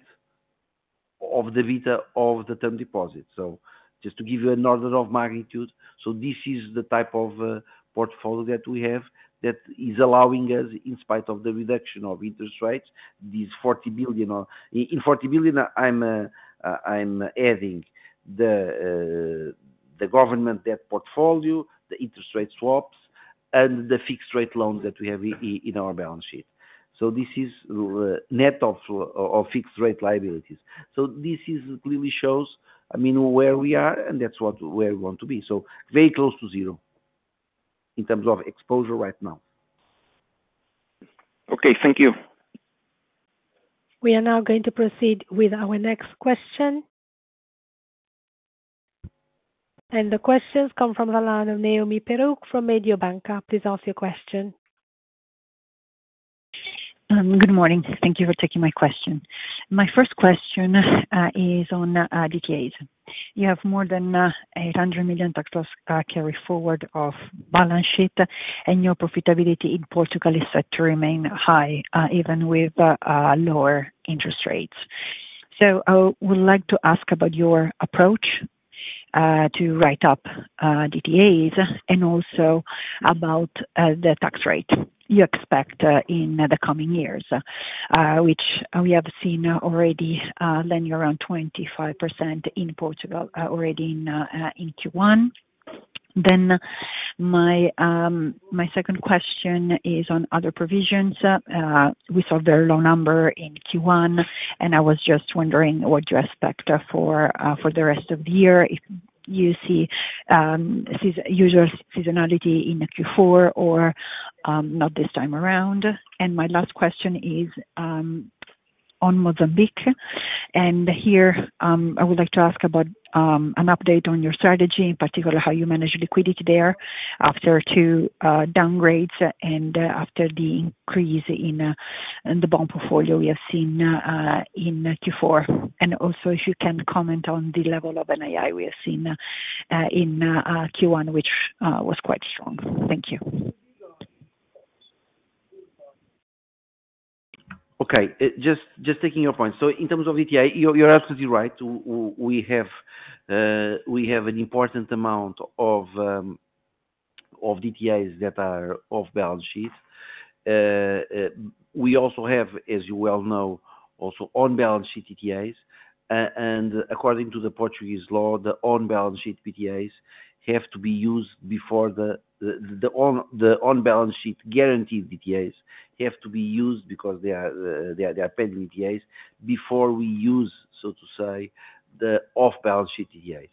of the beta of the term deposits. Just to give you an order of magnitude, this is the type of portfolio that we have that is allowing us, in spite of the reduction of interest rates, these 40 billion. In 40 billion, I am adding the government debt portfolio, the interest rate swaps, and the fixed rate loans that we have in our balance sheet. This is net of fixed rate liabilities. This clearly shows, I mean, where we are, and that is where we want to be. Very close to zero in terms of exposure right now.
Okay. Thank you.
We are now going to proceed with our next question. The questions come from the line of Noemi Peruch from Mediobanca. Please ask your question.
Good morning. Thank you for taking my question. My first question is on DTAs. You have more than 800 million to carry forward off balance sheet, and your profitability in Portugal is set to remain high even with lower interest rates. I would like to ask about your approach to write up DTAs and also about the tax rate you expect in the coming years, which we have seen already landing around 25% in Portugal already in Q1. My second question is on other provisions. We saw a very low number in Q1, and I was just wondering what you expect for the rest of the year. If you see usual seasonality in Q4 or not this time around. My last question is on Mozambique. Here, I would like to ask about an update on your strategy, in particular how you manage liquidity there after two downgrades and after the increase in the bond portfolio we have seen in Q4. Also, if you can comment on the level of NII we have seen in Q1, which was quite strong. Thank you.
Okay. Just taking your point. In terms of DTI, you're absolutely right. We have an important amount of DTIs that are off balance sheet. We also have, as you well know, also on-balance sheet DTIs. According to the Portuguese law, the on-balance sheet DTIs have to be used before the on-balance sheet guaranteed DTIs have to be used because they are pending DTIs before we use, so to say, the off-balance sheet DTIs.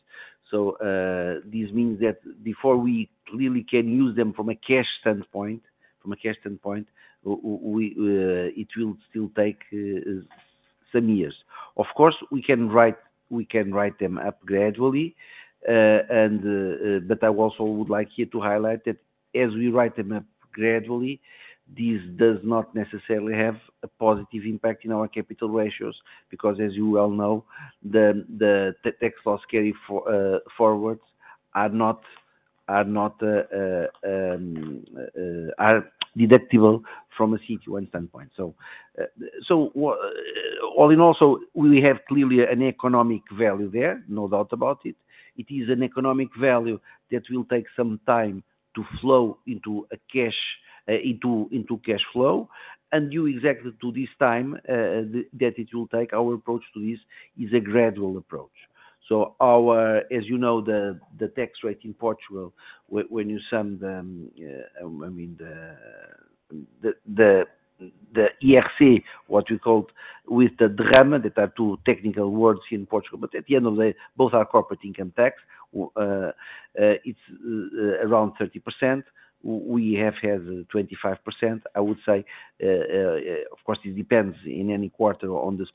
This means that before we clearly can use them from a cash standpoint, from a cash standpoint, it will still take some years. Of course, we can write them up gradually, but I also would like here to highlight that as we write them up gradually, this does not necessarily have a positive impact in our capital ratios because, as you well know, the tax loss carry forwards are not deductible from a CTR1 standpoint. All in all, we have clearly an economic value there, no doubt about it. It is an economic value that will take some time to flow into cash flow. You exactly to this time that it will take, our approach to this is a gradual approach. As you know, the tax rate in Portugal, when you sum the, I mean, the IRC, what we call the DRAMA, that are two technical words here in Portugal, but at the end of the day, both are corporate income tax, it's around 30%. We have had 25%, I would say. Of course, it depends in any quarter on the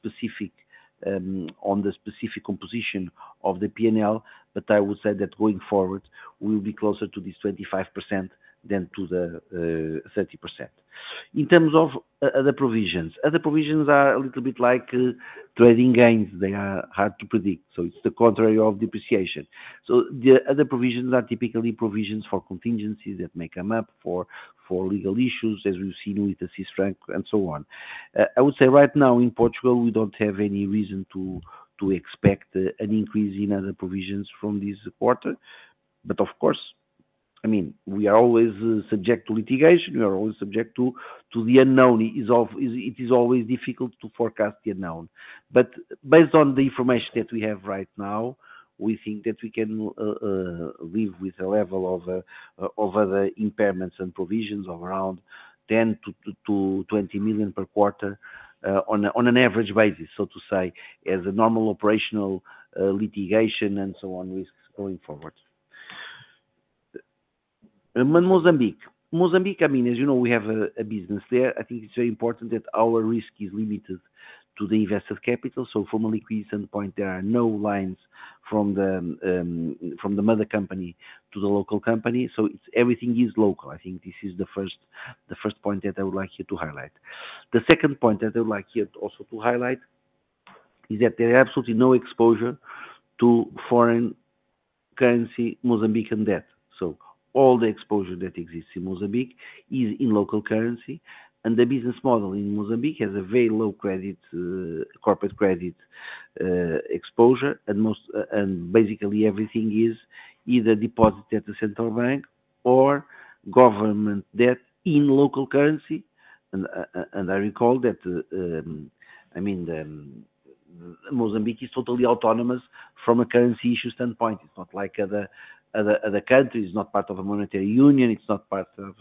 specific composition of the P&L, but I would say that going forward, we will be closer to this 25% than to the 30%. In terms of other provisions, other provisions are a little bit like trading gains. They are hard to predict. It's the contrary of depreciation. The other provisions are typically provisions for contingencies that may come up for legal issues, as we've seen with the Swiss franc and so on. I would say right now in Portugal, we do not have any reason to expect an increase in other provisions from this quarter. Of course, I mean, we are always subject to litigation. We are always subject to the unknown. It is always difficult to forecast the unknown. Based on the information that we have right now, we think that we can live with a level of other impairments and provisions of around 10 million-20 million per quarter on an average basis, so to say, as a normal operational litigation and so on risks going forward. Mozambique, Mozambique, I mean, as you know, we have a business there. I think it is very important that our risk is limited to the invested capital. From a liquidation point, there are no lines from the mother company to the local company. Everything is local. I think this is the first point that I would like here to highlight. The second point that I would like here also to highlight is that there is absolutely no exposure to foreign currency Mozambican debt. All the exposure that exists in Mozambique is in local currency. The business model in Mozambique has a very low corporate credit exposure. Basically, everything is either deposited at the central bank or government debt in local currency. I recall that, I mean, Mozambique is totally autonomous from a currency issue standpoint. It is not like other countries. It is not part of a monetary union. It is not part of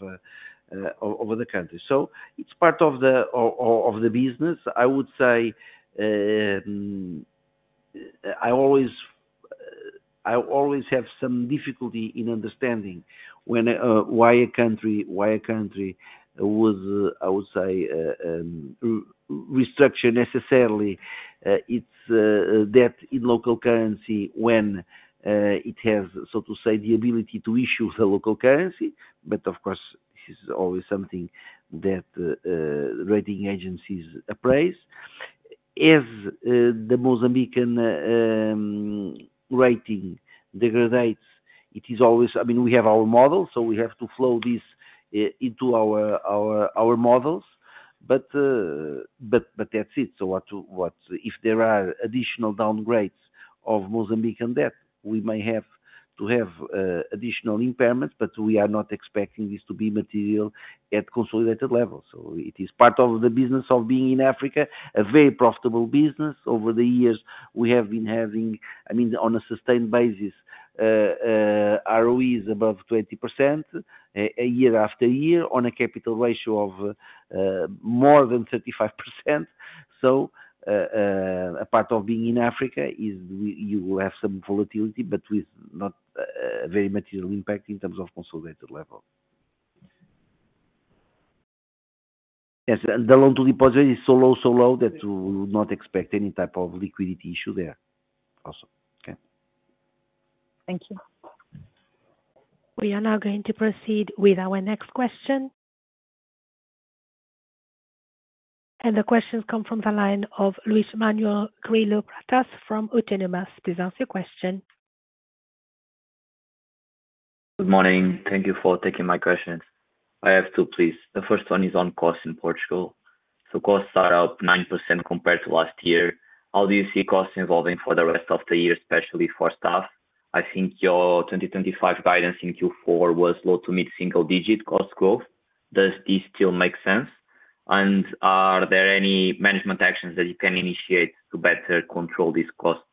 other countries. It is part of the business. I would say I always have some difficulty in understanding why a country would, I would say, restructure necessarily its debt in local currency when it has, so to say, the ability to issue the local currency. Of course, this is always something that rating agencies appraise. As the Mozambican rating degrades, it is always, I mean, we have our model, so we have to flow this into our models. That is it. If there are additional downgrades of Mozambican debt, we may have to have additional impairments, but we are not expecting this to be material at consolidated levels. It is part of the business of being in Africa, a very profitable business. Over the years, we have been having, I mean, on a sustained basis, ROEs above 20% year after year on a capital ratio of more than 35%. A part of being in Africa is you will have some volatility, but with not a very material impact in terms of consolidated level. Yes. The loan-to-deposit rate is so low, so low that you would not expect any type of liquidity issue there also. Okay.
Thank you. We are now going to proceed with our next question. The questions come from the line of Luís Manuel Grillo Pratas from Autonomous. Please ask your question.
Good morning. Thank you for taking my questions. I have two, please. The first one is on costs in Portugal. Costs are up 9% compared to last year. How do you see costs evolving for the rest of the year, especially for staff? I think your 2025 guidance in Q4 was low to mid-single-digit cost growth. Does this still make sense? Are there any management actions that you can initiate to better control these costs?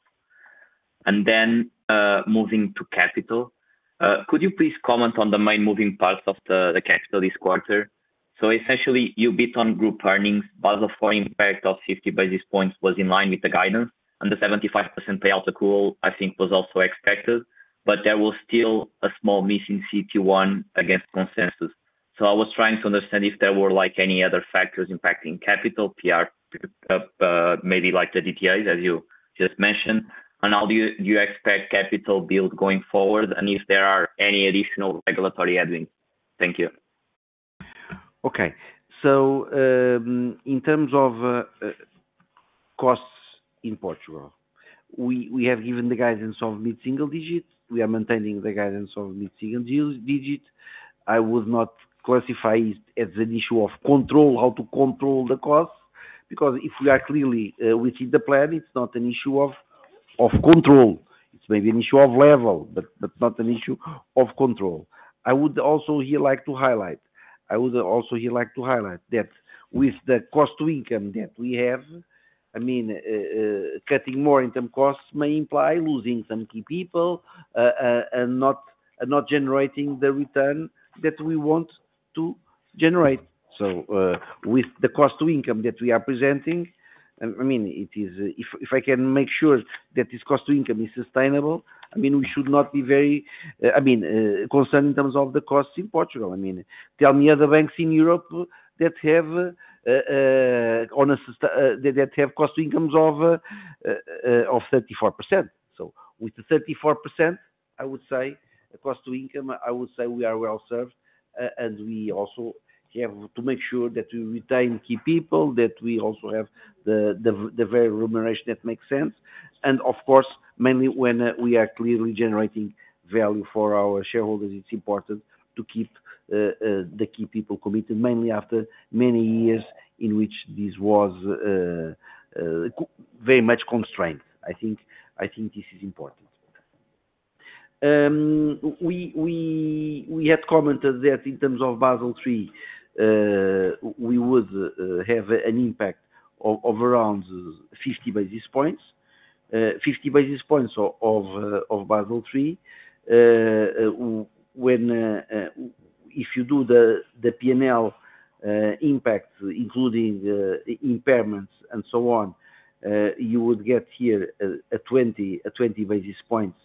Moving to capital, could you please comment on the main moving parts of the capital this quarter? Essentially, you bit on group earnings. Buzz of foreign impact of 50 basis points was in line with the guidance. The 75% payout accrual, I think, was also expected, but there was still a small missing CT1 against consensus. I was trying to understand if there were any other factors impacting capital, maybe like the DTIs, as you just mentioned. How do you expect capital build going forward, and if there are any additional regulatory headwinds? Thank you.
In terms of costs in Portugal, we have given the guidance of mid-single digits. We are maintaining the guidance of mid-single digits. I would not classify it as an issue of control, how to control the costs, because if we are clearly within the plan, it's not an issue of control. It's maybe an issue of level, but not an issue of control. I would also here like to highlight that with the cost-to-income that we have, I mean, cutting more in terms of costs may imply losing some key people and not generating the return that we want to generate. With the cost-to-income that we are presenting, I mean, if I can make sure that this cost-to-income is sustainable, I mean, we should not be very, I mean, concerned in terms of the costs in Portugal. Tell me other banks in Europe that have cost-to-incomes of 34%. With the 34% cost-to-income, I would say we are well served, and we also have to make sure that we retain key people, that we also have the very remuneration that makes sense. Of course, mainly when we are clearly generating value for our shareholders, it is important to keep the key people committed, mainly after many years in which this was very much constrained. I think this is important. We had commented that in terms of Basel III, we would have an impact of around 50 basis points. 50 basis points of Basel III. If you do the P&L impact, including impairments and so on, you would get here a 20 basis points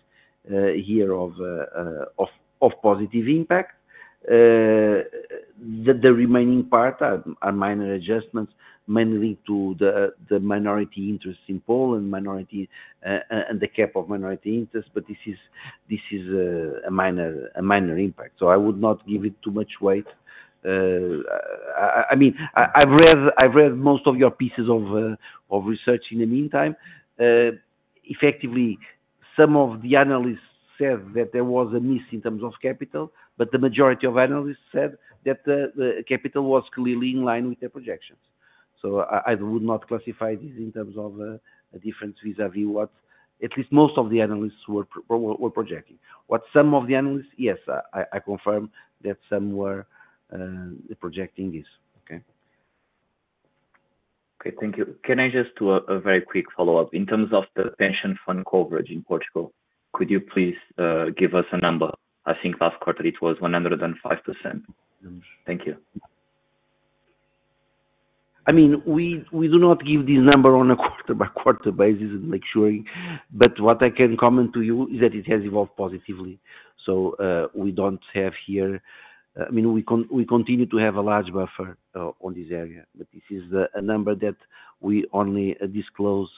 here of positive impact. The remaining part are minor adjustments, mainly to the minority interests in Poland and the cap of minority interests, but this is a minor impact, so I would not give it too much weight. I've read most of your pieces of research in the meantime. Effectively, some of the analysts said that there was a miss in terms of capital, but the majority of analysts said that the capital was clearly in line with their projections. I would not classify this in terms of a difference vis-à-vis what at least most of the analysts were projecting. Some of the analysts, yes, I confirm that some were projecting this. Okay.
Okay. Thank you. Can I just do a very quick follow-up? In terms of the pension fund coverage in Portugal, could you please give us a number? I think last quarter it was 105%. Thank you.
I mean, we do not give this number on a quarter-by-quarter basis and make sure, but what I can comment to you is that it has evolved positively. We do not have here, I mean, we continue to have a large buffer on this area, but this is a number that we only disclose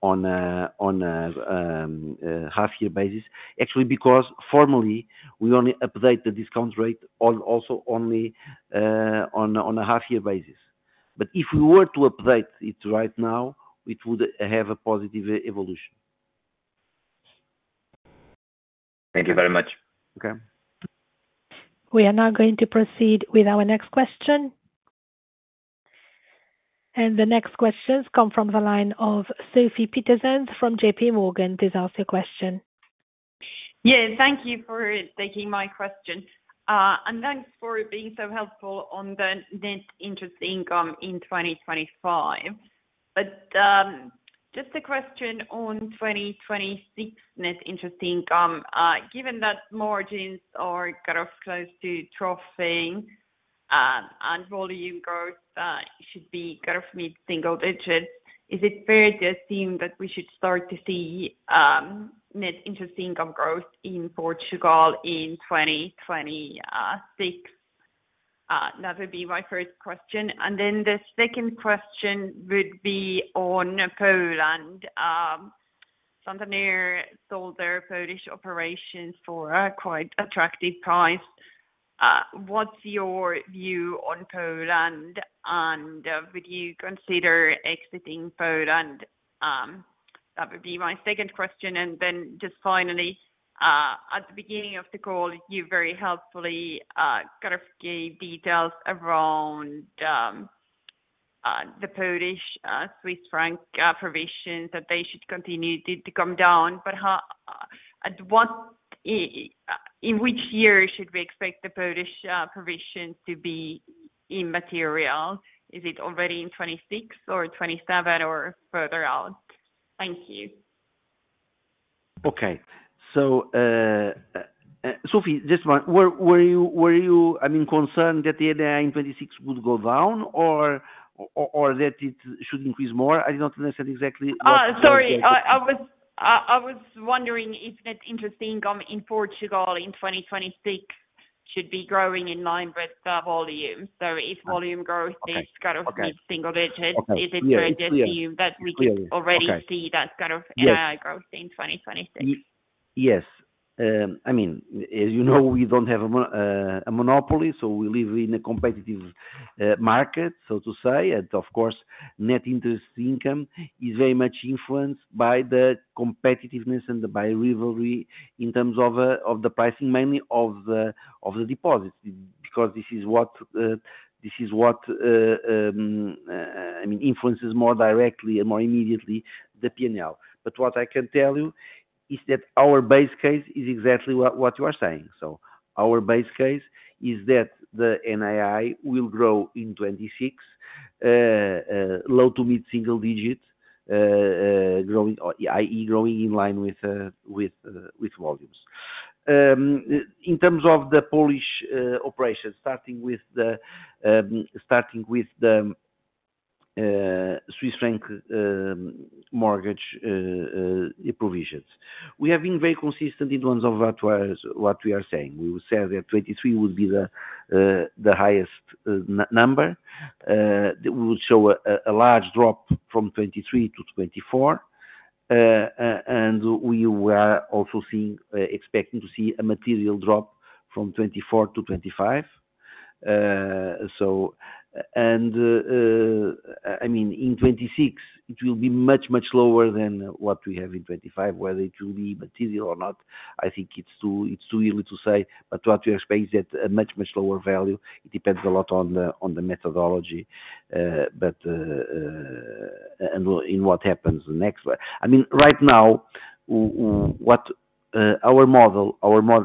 on a half-year basis, actually, because formally, we only update the discount rate also only on a half-year basis. If we were to update it right now, it would have a positive evolution.
Thank you very much.
Okay.
We are now going to proceed with our next question. The next questions come from the line of Sophie Pietersens from JPMorgan. Please ask your question.
Yeah. Thank you for taking my question. Thanks for being so helpful on the net interest income in 2025. Just a question on 2026 net interest income. Given that margins are kind of close to troughing and volume growth should be kind of mid-single digits, is it fair to assume that we should start to see net interest income growth in Portugal in 2026? That would be my first question. The second question would be on Poland. San Andreas sold their Polish operations for a quite attractive price. What's your view on Poland, and would you consider exiting Poland? That would be my second question. Just finally, at the beginning of the call, you very helpfully kind of gave details around the Polish Swiss franc provisions that they should continue to come down. In which year should we expect the Polish provisions to be immaterial? Is it already in 2026 or 2027 or further out? Thank you.
Okay. So Sophie, just one. Were you, I mean, concerned that the ADI in 2026 would go down or that it should increase more? I did not understand exactly what you said.
Sorry. I was wondering if net interest income in Portugal in 2026 should be growing in line with volume. So if volume growth is kind of mid-single digits, is it fair to assume that we can already see that kind of AI growth in 2026?
Yes. I mean, as you know, we do not have a monopoly, so we live in a competitive market, so to say. And of course, net interest income is very much influenced by the competitiveness and by rivalry in terms of the pricing, mainly of the deposits, because this is what, I mean, influences more directly and more immediately the P&L. But what I can tell you is that our base case is exactly what you are saying.
Our base case is that the NII will grow in 2026, low to mid-single digit, i.e., growing in line with volumes. In terms of the Polish operations, starting with the Swiss franc mortgage provisions, we have been very consistent in terms of what we are saying. We will say that 2023 would be the highest number. We will show a large drop from 2023 to 2024. We were also expecting to see a material drop from 2024 to 2025. I mean, in 2026, it will be much, much lower than what we have in 2025, whether it will be material or not. I think it is too early to say, but what we expect is at a much, much lower value. It depends a lot on the methodology and in what happens next. I mean, right now, our model,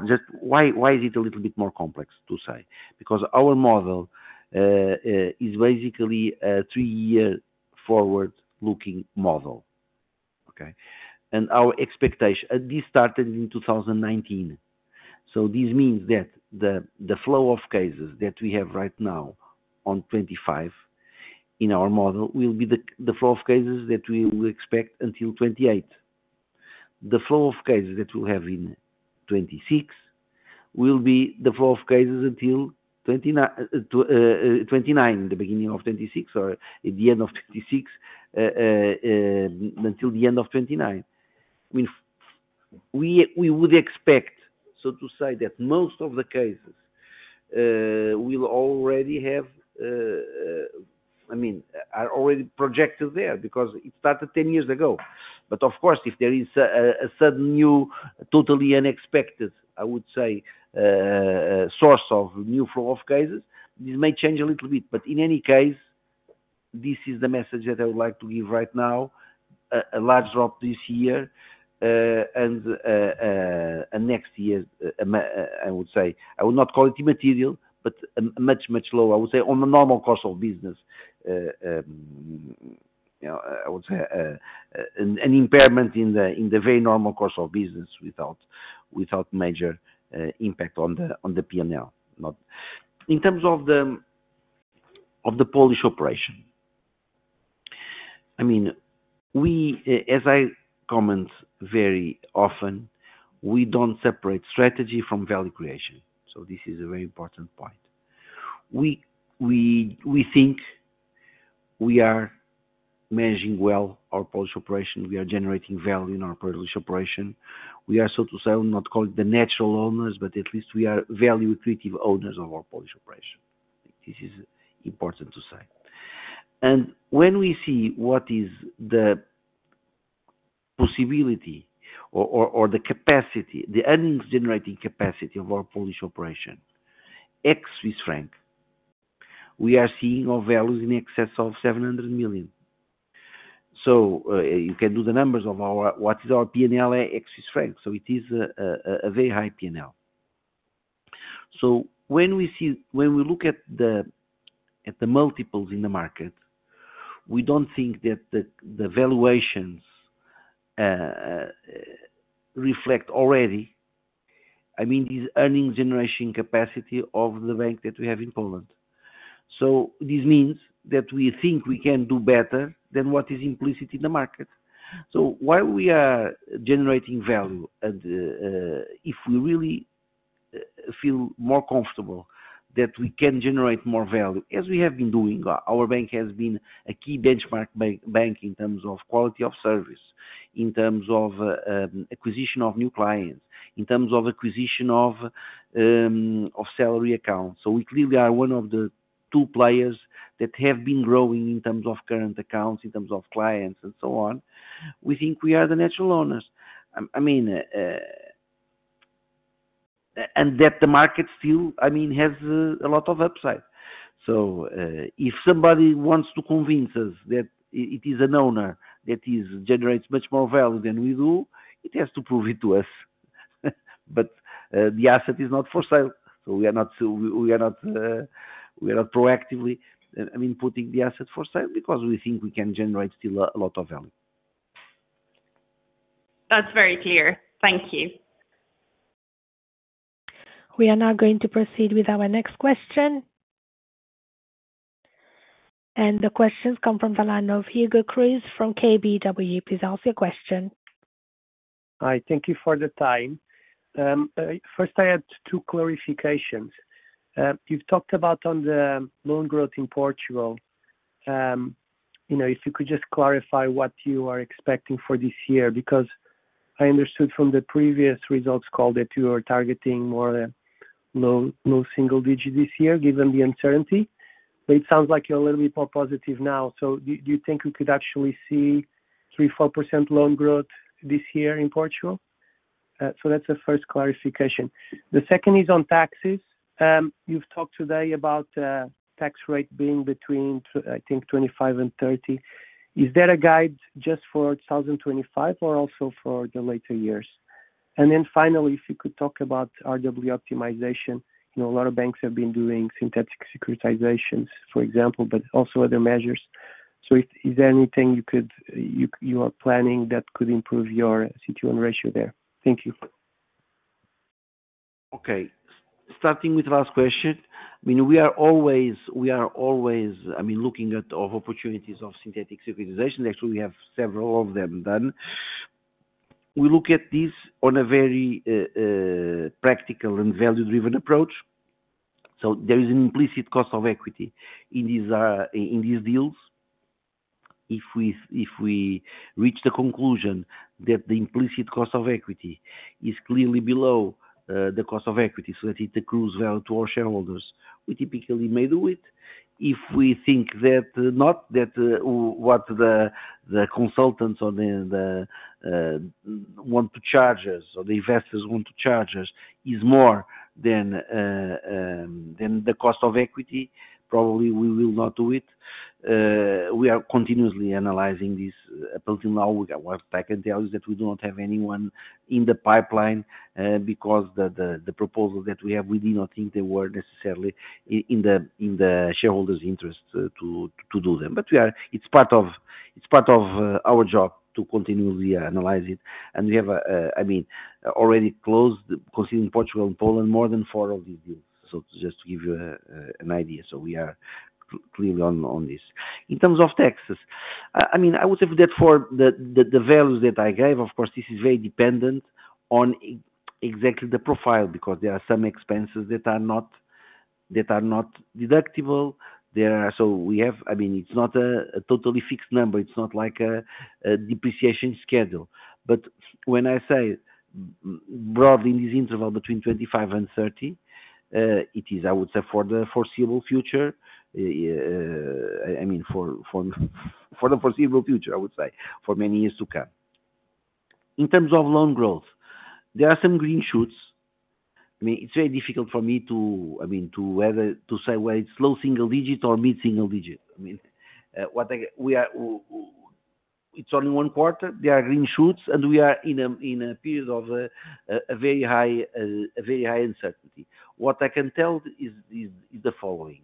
just why is it a little bit more complex to say? Because our model is basically a three-year forward-looking model. Okay? This started in 2019. This means that the flow of cases that we have right now on 2025 in our model will be the flow of cases that we will expect until 2028. The flow of cases that we'll have in 2026 will be the flow of cases until 2029, the beginning of 2026 or the end of 2026, until the end of 2029. I mean, we would expect, so to say, that most of the cases will already have, I mean, are already projected there because it started 10 years ago. Of course, if there is a sudden new, totally unexpected, I would say, source of new flow of cases, this may change a little bit. In any case, this is the message that I would like to give right now: a large drop this year and next year, I would say. I would not call it immaterial, but much, much lower. I would say on the normal cost of business, I would say an impairment in the very normal cost of business without major impact on the P&L. In terms of the Polish operation, I mean, as I comment very often, we do not separate strategy from value creation. This is a very important point. We think we are managing well our Polish operation. We are generating value in our Polish operation. We are, so to say, not calling the natural owners, but at least we are value equity owners of our Polish operation. This is important to say. When we see what is the possibility or the capacity, the earnings-generating capacity of our Polish operation ex Swiss franc, we are seeing values in excess of 700 million. You can do the numbers of what is our P&L ex-Swiss franc. It is a very high P&L. When we look at the multiples in the market, we do not think that the valuations reflect already, I mean, this earnings-generation capacity of the bank that we have in Poland. This means that we think we can do better than what is implicit in the market. Why we are generating value and if we really feel more comfortable that we can generate more value, as we have been doing, our bank has been a key benchmark bank in terms of quality of service, in terms of acquisition of new clients, in terms of acquisition of salary accounts. We clearly are one of the two players that have been growing in terms of current accounts, in terms of clients, and so on. We think we are the natural owners. I mean, and that the market still, I mean, has a lot of upside. If somebody wants to convince us that it is an owner that generates much more value than we do, it has to prove it to us. The asset is not for sale. We are not proactively, I mean, putting the asset for sale because we think we can generate still a lot of value.
That's very clear. Thank you.
We are now going to proceed with our next question. The questions come from the line of Hugo Cruise from KBW. Please ask your question.
Hi. Thank you for the time. First, I had two clarifications. You've talked about on the loan growth in Portugal, if you could just clarify what you are expecting for this year, because I understood from the previous results call that you are targeting more low single digit this year given the uncertainty. It sounds like you're a little bit more positive now. Do you think we could actually see 3%, 4% loan growth this year in Portugal? That's the first clarification. The second is on taxes. You've talked today about tax rate being between, I think, 25% and 30%. Is there a guide just for 2025 or also for the later years? Finally, if you could talk about RW optimization. A lot of banks have been doing synthetic securitizations, for example, but also other measures. Is there anything you are planning that could improve your CT1 ratio there? Thank you.
Okay. Starting with the last question, I mean, we are always, I mean, looking at opportunities of synthetic securitization. Actually, we have several of them done. We look at this on a very practical and value-driven approach. There is an implicit cost of equity in these deals. If we reach the conclusion that the implicit cost of equity is clearly below the cost of equity so that it accrues value to our shareholders, we typically may do it. If we think that not that what the consultants or the investors want to charge us is more than the cost of equity, probably we will not do it. We are continuously analyzing this. Up until now, I can tell you that we do not have anyone in the pipeline because the proposal that we have, we did not think they were necessarily in the shareholders' interest to do them. It is part of our job to continuously analyze it. We have, I mean, already closed, considering Portugal and Poland, more than four of these deals. Just to give you an idea. We are clearly on this. In terms of taxes, I mean, I would say that for the values that I gave, of course, this is very dependent on exactly the profile because there are some expenses that are not deductible. It's not a totally fixed number. It's not like a depreciation schedule. When I say broadly in this interval between 2025 and 2030, it is, I would say, for the foreseeable future. I mean, for the foreseeable future, I would say, for many years to come. In terms of loan growth, there are some green shoots. I mean, it's very difficult for me to, I mean, to say whether it's low single digit or mid-single digit. I mean, it's only one quarter. There are green shoots, and we are in a period of very high uncertainty. What I can tell is the following.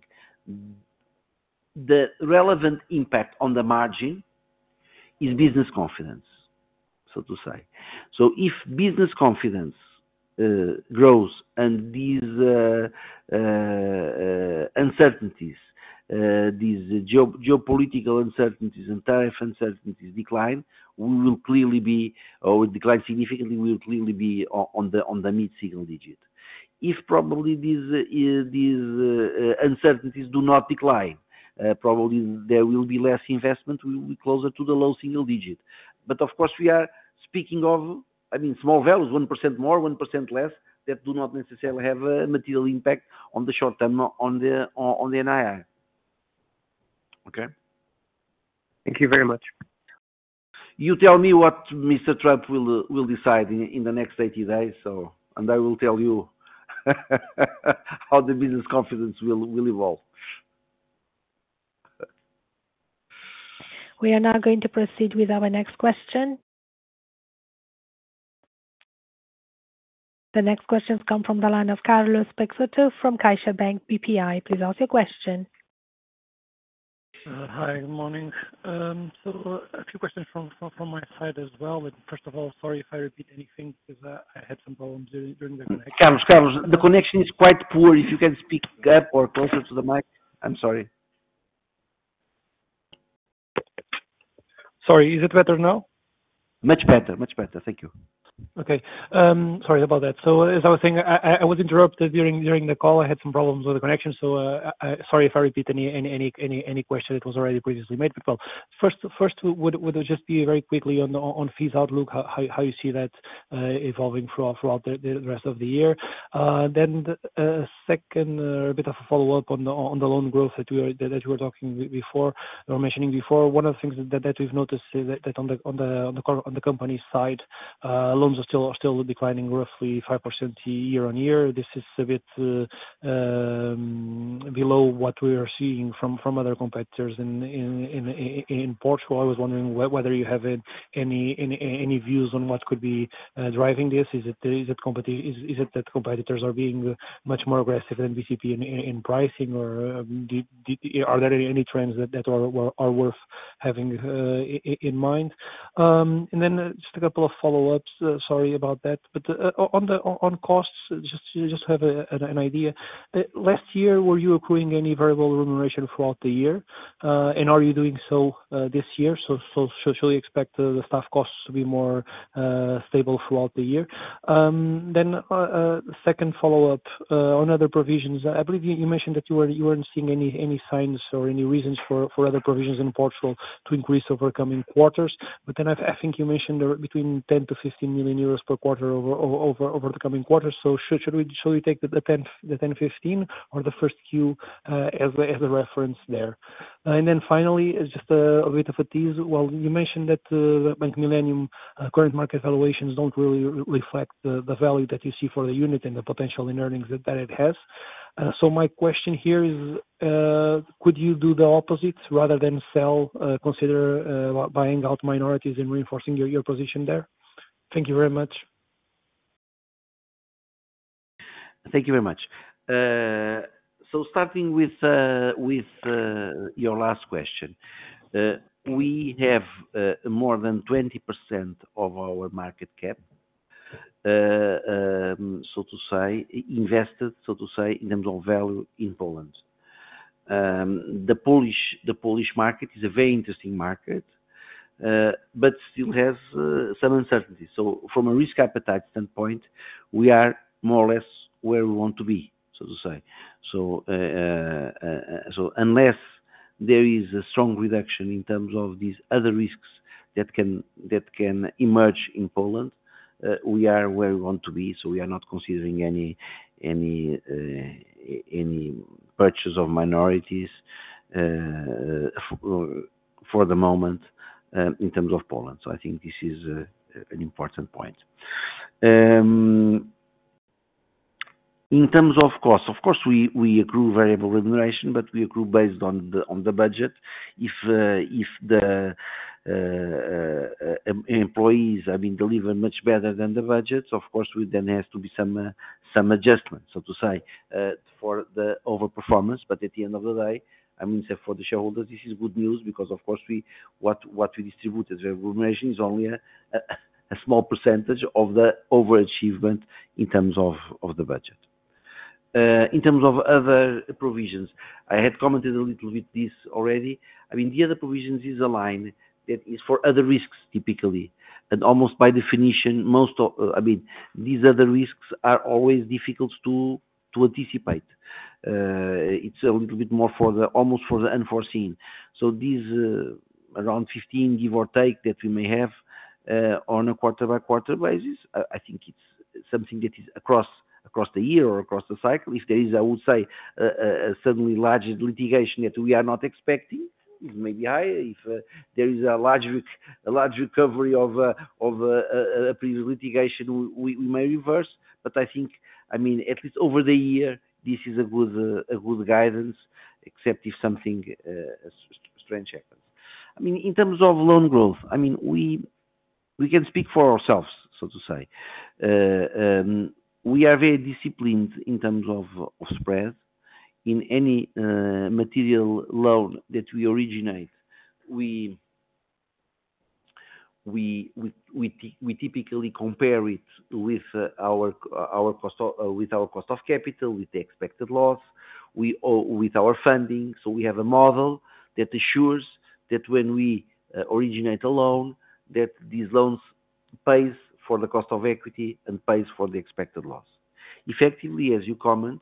The relevant impact on the margin is business confidence, so to say. If business confidence grows and these uncertainties, these geopolitical uncertainties and tariff uncertainties decline, we will clearly be, or if it declines significantly, we will clearly be on the mid-single digit. If probably these uncertainties do not decline, probably there will be less investment. We will be closer to the low single digit. Of course, we are speaking of, I mean, small values, 1% more, 1% less, that do not necessarily have a material impact on the short-term on the NII.
Okay. Thank you very much.
You tell me what Mr. Trump will decide in the next 80 days, and I will tell you how the business confidence will evolve.
We are now going to proceed with our next question. The next questions come from the line of Carlos Peixoto from CaixaBank BPI. Please ask your question.
Hi. Good morning. A few questions from my side as well. First of all, sorry if I repeat anything because I had some problems during the connection.
Carlos, the connection is quite poor. If you can speak up or closer to the mic. I'm sorry.
Is it better now?
Much better. Thank you.
Okay. Sorry about that. As I was saying, I was interrupted during the call. I had some problems with the connection. Sorry if I repeat any question that was already previously made. First, would it just be very quickly on fees outlook, how you see that evolving throughout the rest of the year? A second bit of a follow-up on the loan growth that we were talking before or mentioning before. One of the things that we've noticed is that on the company side, loans are still declining roughly 5% year-on-year. This is a bit below what we are seeing from other competitors in Portugal. I was wondering whether you have any views on what could be driving this. Is it that competitors are being much more aggressive than BCP in pricing, or are there any trends that are worth having in mind? Just a couple of follow-ups. Sorry about that. On costs, just to have an idea, last year, were you accruing any variable remuneration throughout the year? Are you doing so this year? Should we expect the staff costs to be more stable throughout the year? Second follow-up on other provisions. I believe you mentioned that you were not seeing any signs or any reasons for other provisions in Portugal to increase over coming quarters. You mentioned between 10 million-15 million euros per quarter over the coming quarters. Should we take the 10 million-15 million or the first quarter as a reference there? Finally, just a bit of a tease. You mentioned that Bank Millennium current market valuations do not really reflect the value that you see for the unit and the potential in earnings that it has. My question here is, could you do the opposite rather than sell, consider buying out minorities and reinforcing your position there? Thank you very much.
Thank you very much. Starting with your last question, we have more than 20% of our market cap, so to say, invested, so to say, in terms of value in Poland. The Polish market is a very interesting market, but still has some uncertainty. From a risk appetite standpoint, we are more or less where we want to be, so to say. Unless there is a strong reduction in terms of these other risks that can emerge in Poland, we are where we want to be. We are not considering any purchase of minorities for the moment in terms of Poland. I think this is an important point. In terms of cost, of course, we accrue variable remuneration, but we accrue based on the budget. If the employees, I mean, deliver much better than the budget, of course, there has to be some adjustment, so to say, for the overperformance. At the end of the day, I mean, for the shareholders, this is good news because, of course, what we distribute as remuneration is only a small percentage of the overachievement in terms of the budget. In terms of other provisions, I had commented a little bit this already. I mean, the other provisions is a line that is for other risks, typically. Almost by definition, most of, I mean, these other risks are always difficult to anticipate. It is a little bit more almost for the unforeseen. These around 15 million, give or take, that we may have on a quarter-by-quarter basis, I think it is something that is across the year or across the cycle. If there is, I would say, suddenly larger litigation that we are not expecting, it is maybe higher. If there is a large recovery of a previous litigation, we may reverse. I think, I mean, at least over the year, this is a good guidance, except if something strange happens. I mean, in terms of loan growth, I mean, we can speak for ourselves, so to say. We are very disciplined in terms of spread. In any material loan that we originate, we typically compare it with our cost of capital, with the expected loss, with our funding. We have a model that assures that when we originate a loan, these loans pay for the cost of equity and pay for the expected loss. Effectively, as you comment,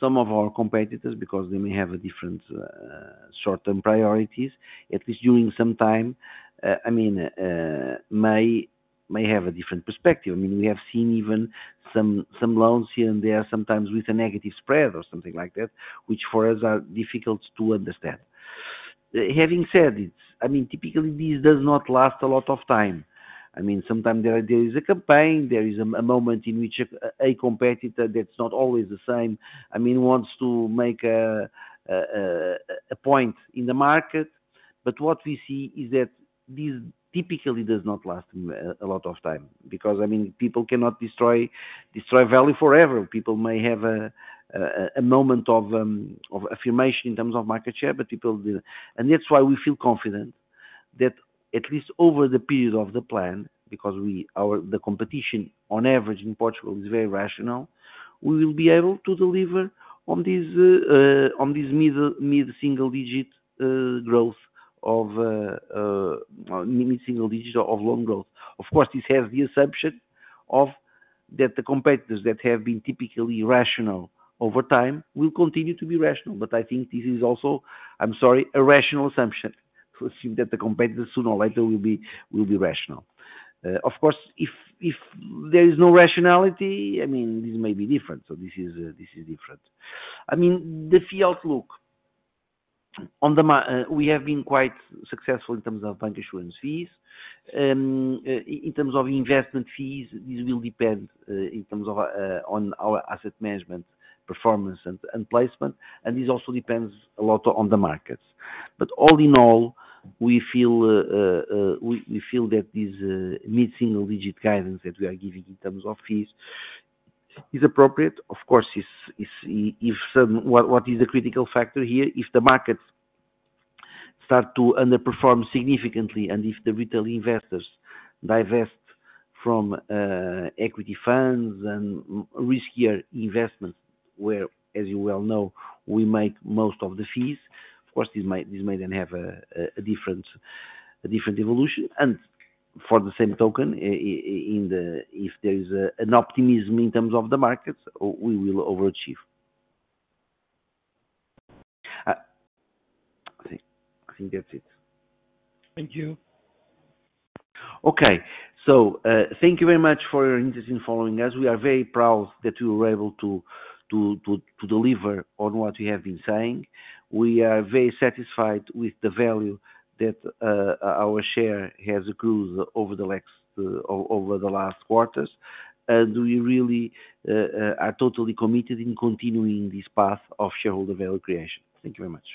some of our competitors, because they may have different short-term priorities, at least during some time, may have a different perspective. I mean, we have seen even some loans here and there sometimes with a negative spread or something like that, which for us are difficult to understand. Having said it, I mean, typically, this does not last a lot of time. I mean, sometimes there is a campaign, there is a moment in which a competitor that's not always the same, I mean, wants to make a point in the market. What we see is that this typically does not last a lot of time because, I mean, people cannot destroy value forever. People may have a moment of affirmation in terms of market share, but people do. That's why we feel confident that at least over the period of the plan, because the competition on average in Portugal is very rational, we will be able to deliver on this mid-single digit growth of mid-single digit of loan growth. Of course, this has the assumption that the competitors that have been typically rational over time will continue to be rational. I think this is also, I'm sorry, a rational assumption that the competitors sooner or later will be rational. Of course, if there is no rationality, I mean, this may be different. This is different. I mean, the field, look. We have been quite successful in terms of bank issuance fees. In terms of investment fees, this will depend in terms of our asset management performance and placement. This also depends a lot on the markets. All in all, we feel that this mid-single digit guidance that we are giving in terms of fees is appropriate. Of course, what is the critical factor here? If the markets start to underperform significantly and if the retail investors divest from equity funds and riskier investments where, as you well know, we make most of the fees, this may then have a different evolution. For the same token, if there is an optimism in terms of the markets, we will overachieve. I think that's it.
Thank you.
Okay. Thank you very much for your interest in following us. We are very proud that we were able to deliver on what we have been saying. We are very satisfied with the value that our share has accrued over the last quarters. We really are totally committed in continuing this path of shareholder value creation. Thank you very much.